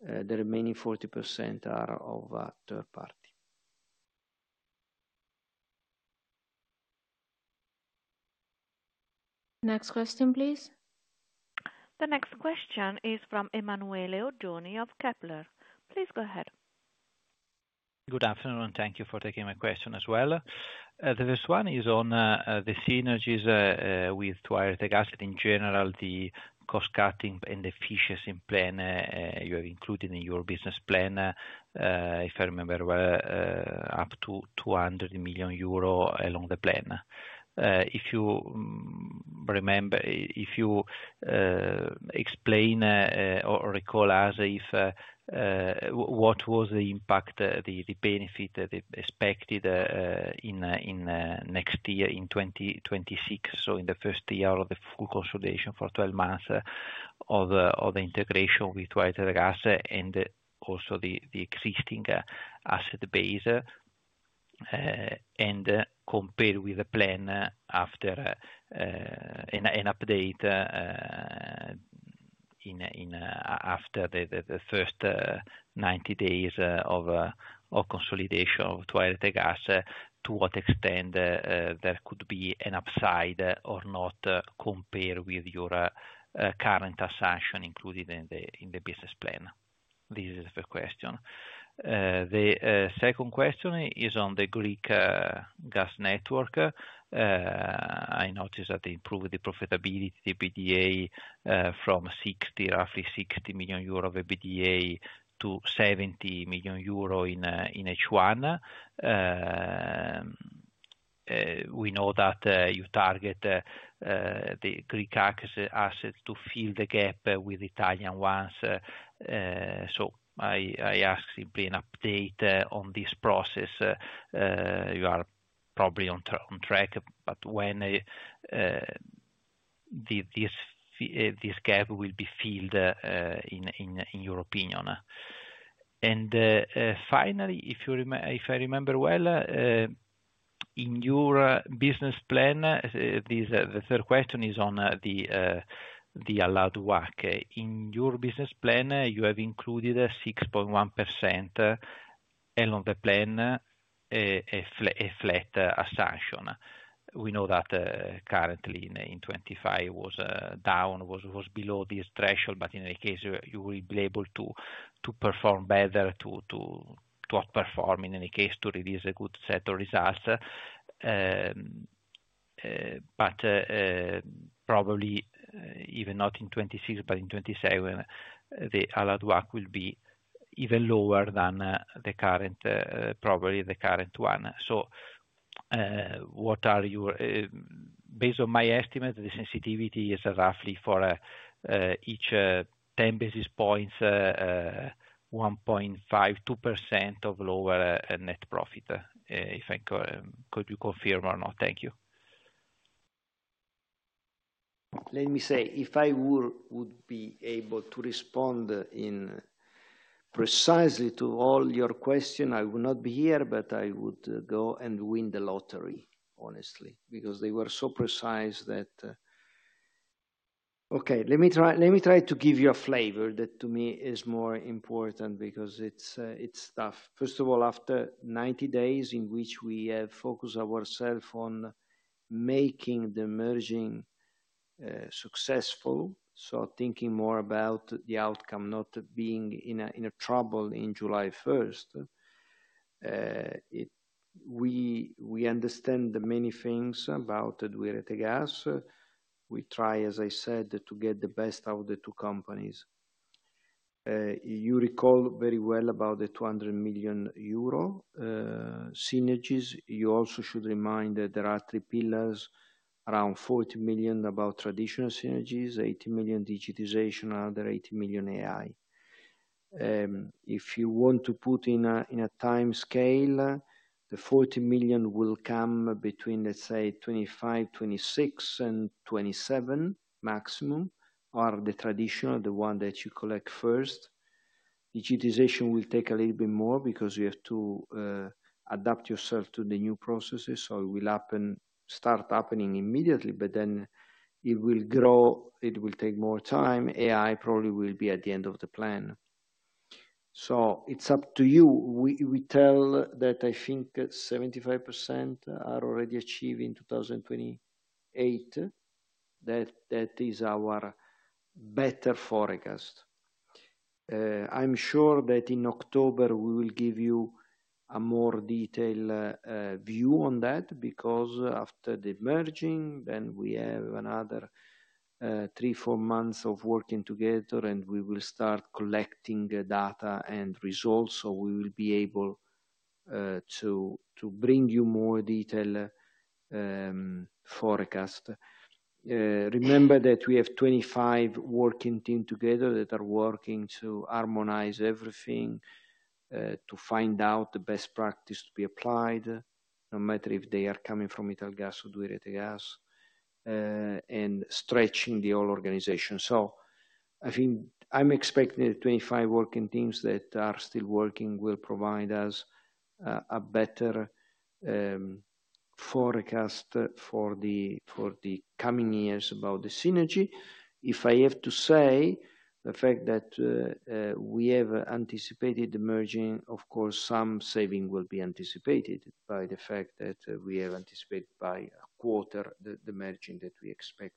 The remaining 40% are of third party. Next question, please. The next question is from Emmanuel O'Donnell of Kepler. Please go ahead. Good afternoon. Thank you for taking my question as well. The first one is on the synergies with to airstykes in general, the cost cutting and efficiency plan you have included in your business plan, if I remember well, up to 200,000,000 along the plan. If you remember if you explain or recall us if what was the impact, the benefit that is expected in next year in 2026, so in the first year of the full consolidation for twelve months of the integration with Whitehall Gas and also the existing asset base and compared with the plan after an update in after the first ninety days of consolidation of Tualategas to what extent there could be an upside or not compared with your current assumption included in the business plan? This is the first question. The second question is on the Greek gas network. I noticed that they improved the profitability EBITDA from roughly €60,000,000 of EBITDA to €70,000,000 in H1. We know that you target the Greek assets to fill the gap with Italian ones. So I ask you to be an update on this process. You are probably on track, but when this gap will be filled in your opinion? And finally, if I remember well, in your business plan, the third question is on the allowed WACC. In your business plan, you have included 6.1% along the plan, a flat assumption. We know that currently in 2025 was down, was below this threshold. But in any case, you will be able to perform better to outperform in any case to release a good set of results. But probably even not in 2026, but in 2027, the allowed WACC will be even lower than the current probably the current one. So what are your based on my estimate, the sensitivity is roughly for each 10 basis points 1.52% of lower net profit, if I could you confirm or not? Thank you. Let me say, if I were would be able to respond in precisely to all your question, I would not be here, but I would go and win the lottery, honestly. Because they were so precise that okay, let me try to give you a flavor that to me is more important because it's tough. First of all, after ninety days in which we have focused our self on making the merging successful. So thinking more about the outcome, not being in trouble in July 1. We understand the many things about Dwerettegas. We try, as I said, to get the best out the two companies. You recall very well about the 200,000,000 euro synergies. You also should remind that there are three pillars, around 40,000,000 about traditional synergies, 80,000,000 digitization, another 80,000,000 AI. If you want to put in a time scale, the 40,000,000 will come between, let's say, 25,000,000, 26 and 27 maximum are the traditional, the one that you collect first. Digitization will take a little bit more because you have to adapt yourself to the new processes, so it will happen start happening immediately, but then it will grow, it will take more time, AI probably will be at the end of the plan. So it's up to you. We tell that I think 75% are already achieved in 2028. That is our better forecast. I'm sure that in October, we will give you a more detailed view on that because after the merging, then we have another three, four months of working together, and we will start collecting data and results. So we will be able to bring you more detail forecast. Remember that we have 25 working team together that are working to harmonize everything to find out the best practice to be applied no matter if they are coming from Ital Gas or Doherty Gas, and stretching the whole organization. So I think I'm expecting 25 working teams that are still working will provide us a better forecast for the coming years about the synergy. If I have to say the fact that we have anticipated the merging, of course, some saving will be anticipated anticipated by a quarter the margin that we expect.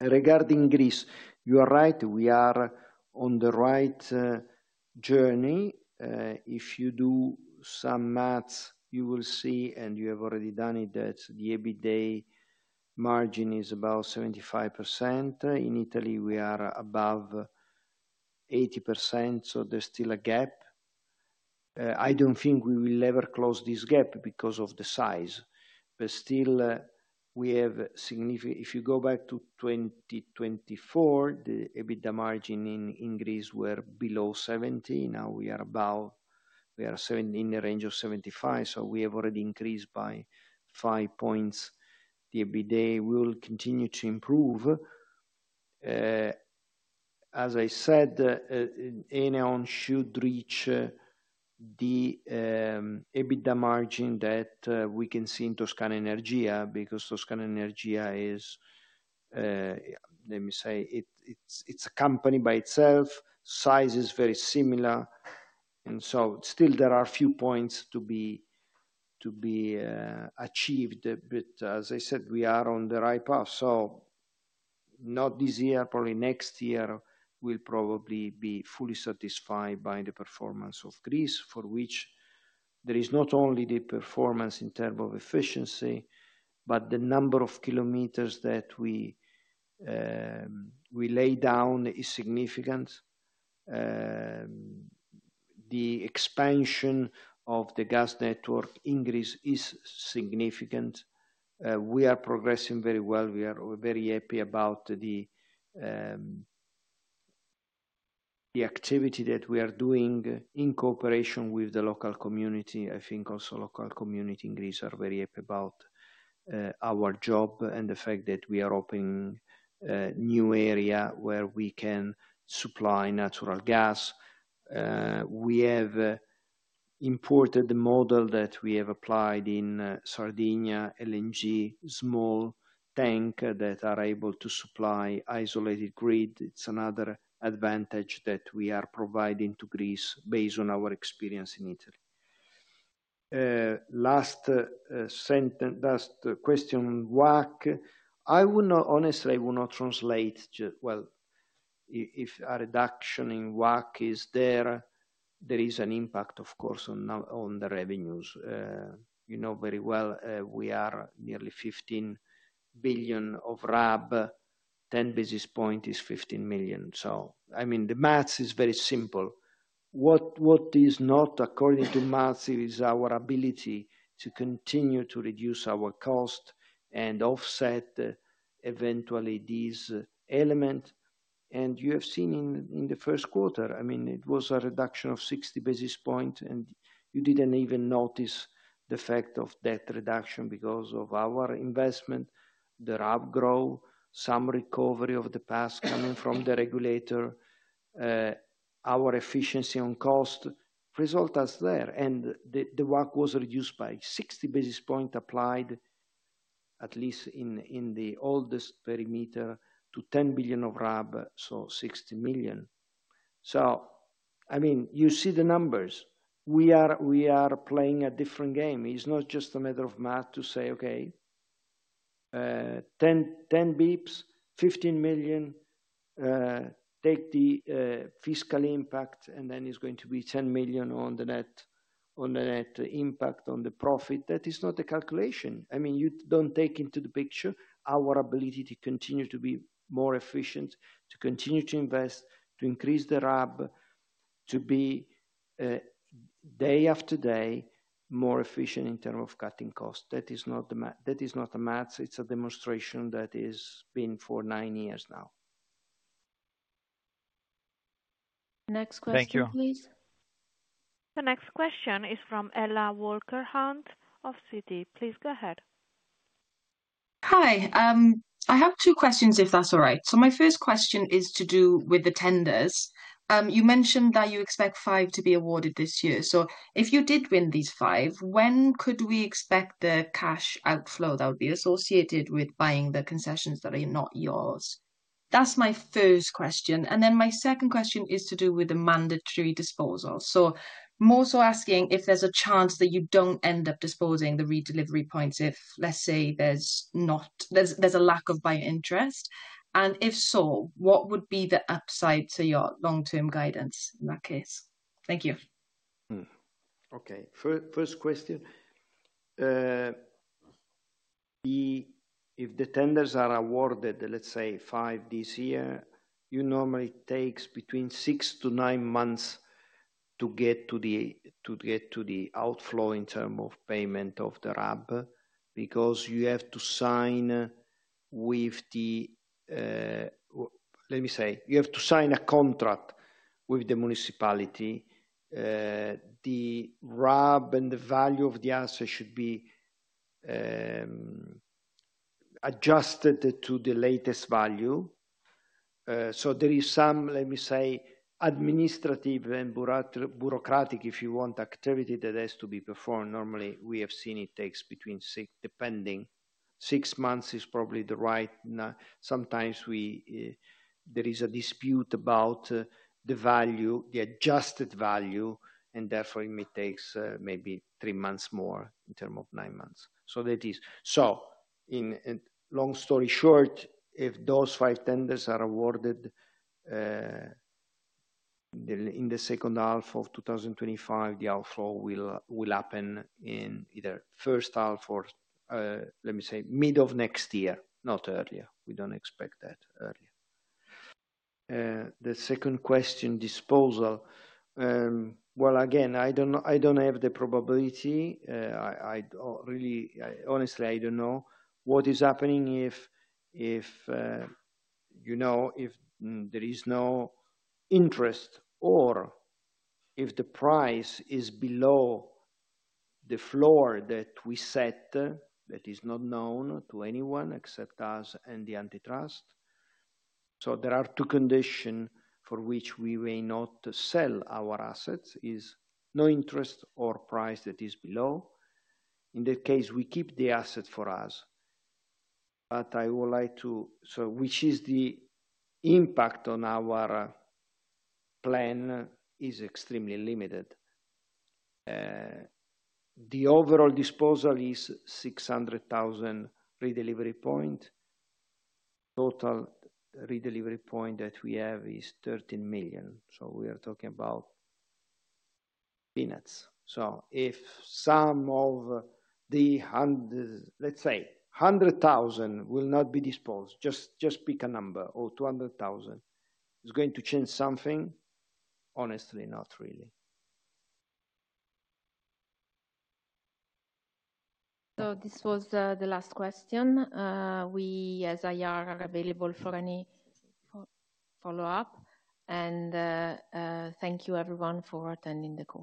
Regarding Greece, you are right, we are on the right journey. If you do some math, you will see and you have already done it that the EBITDA margin is about 75%. In Italy, we are above 80%. So there's still a gap. I don't think we will ever close this gap because of the size. But still, we have significant if you go back to 2024, the EBITDA margin in Greece were below 70%. Now we are about we are in the range of 75%. So we have already increased by five points. The EBITDA will continue to improve. As I said, Eneion should reach the EBITDA margin that we can see in Toscan Energia because Toscan Energia is let me say, it's a company by itself, size is very similar. And so still there are few points to be achieved. But as I said, we are on the right path. So not this year, probably next year, we'll probably be fully satisfied by the performance of Greece, for which there is not only the performance in terms of efficiency, but the number of kilometers that we lay down is significant. The expansion of the gas network in Greece is significant. We are progressing very well. We are very happy about the activity that we are doing in cooperation with the local community. I think also local community in Greece are very happy about our job and the fact that we are opening new area where we can supply natural gas. We have imported the model that we have applied in Sardinia LNG, small tanker that are able to supply isolated grid. It's another advantage that we are providing to Greece based on our experience in Italy. Last question on WACC, I will not honestly, I will not translate well, if a reduction in WACC is there, there is an impact, of course, on the revenues. You know very well, we are nearly €15,000,000,000 of RAB, 10 basis point is $15,000,000 So, I mean, the math is very simple. What is not according to math is our ability to continue to reduce our cost and offset eventually this element. And you have seen in the first quarter, I mean, it was a reduction of 60 basis points, and you didn't even notice the fact of that reduction because of our investment, the RAB grow, some recovery of the past coming from the regulator, our efficiency on cost result us there. And the WACC was reduced by 60 basis point applied, at least in the oldest perimeter to €10,000,000,000 of RAB, so €60,000,000 So, I mean, you see the numbers. We are playing a different game. It's not just a matter of math to say, okay, 10 bps, 15,000,000, take the fiscal impact and then it's going to be 10,000,000 on the net impact on the profit. That is not the calculation. I mean, you don't take into the picture our ability to continue to be more efficient, to continue to invest, to increase the RAB, to be day after day more efficient in term of cutting costs. That is not the math. It's a demonstration that is been for nine years now. Next question The next question is from Ella Walker Hunt of Citi. Please go ahead. Hi. I have two questions, if that's all right. So my first question is to do with the tenders. You mentioned that you expect five to be awarded this year. So if you did win these five, when could we expect the cash outflow that would be associated with buying the concessions that are not yours? That's my first question. And then my second question is to do with the mandatory disposals. So more so asking if there's a chance that you don't end up disposing the redelivery points if, let's say, there's not there's a lack of buying interest? And if so, what would be the upside to your long term guidance in that case? Thank you. Okay. First question, if the tenders are awarded, let's say, five this year, you normally takes between six to nine months to get to the outflow in term of payment of the RAB because you have to sign with the let me say, you have to sign a contract with the municipality. The RAB and the value of the asset should be adjusted to the latest value. So there is some, let me say, administrative and bureaucratic, if you want, activity that has to be performed. Normally, we have seen it takes between six depending six months is probably the right. Sometimes we there is a dispute about the value, the adjusted value, and therefore it may takes maybe three months more in term of nine months. So that is so in long story short, if those five tenders are awarded in the second half of twenty twenty five, the outflow will happen in either first half or let me say mid of next year, not earlier. We don't expect that earlier. The second question disposal. Well, again, I don't know, I don't have the probability. I really honestly, I don't know what is happening if if, you know, if there is no interest or if the price is below the floor that we set that is not known to anyone except us and the antitrust. So there are two conditions for which we may not sell our assets is no interest or price that is below. In that case, we keep the asset for us. But I would like to so which is the impact on our plan is extremely limited. The overall disposal is 600,000 redelivery point. Total redelivery point that we have is 13,000,000. So we are talking about peanuts. So if some of the, let's say, thousand will not be disposed, just just pick a number or 200,000 is going to change something? Honestly, not really. So this was the last question. We as IR are available for any follow-up. And thank you everyone for attending the call.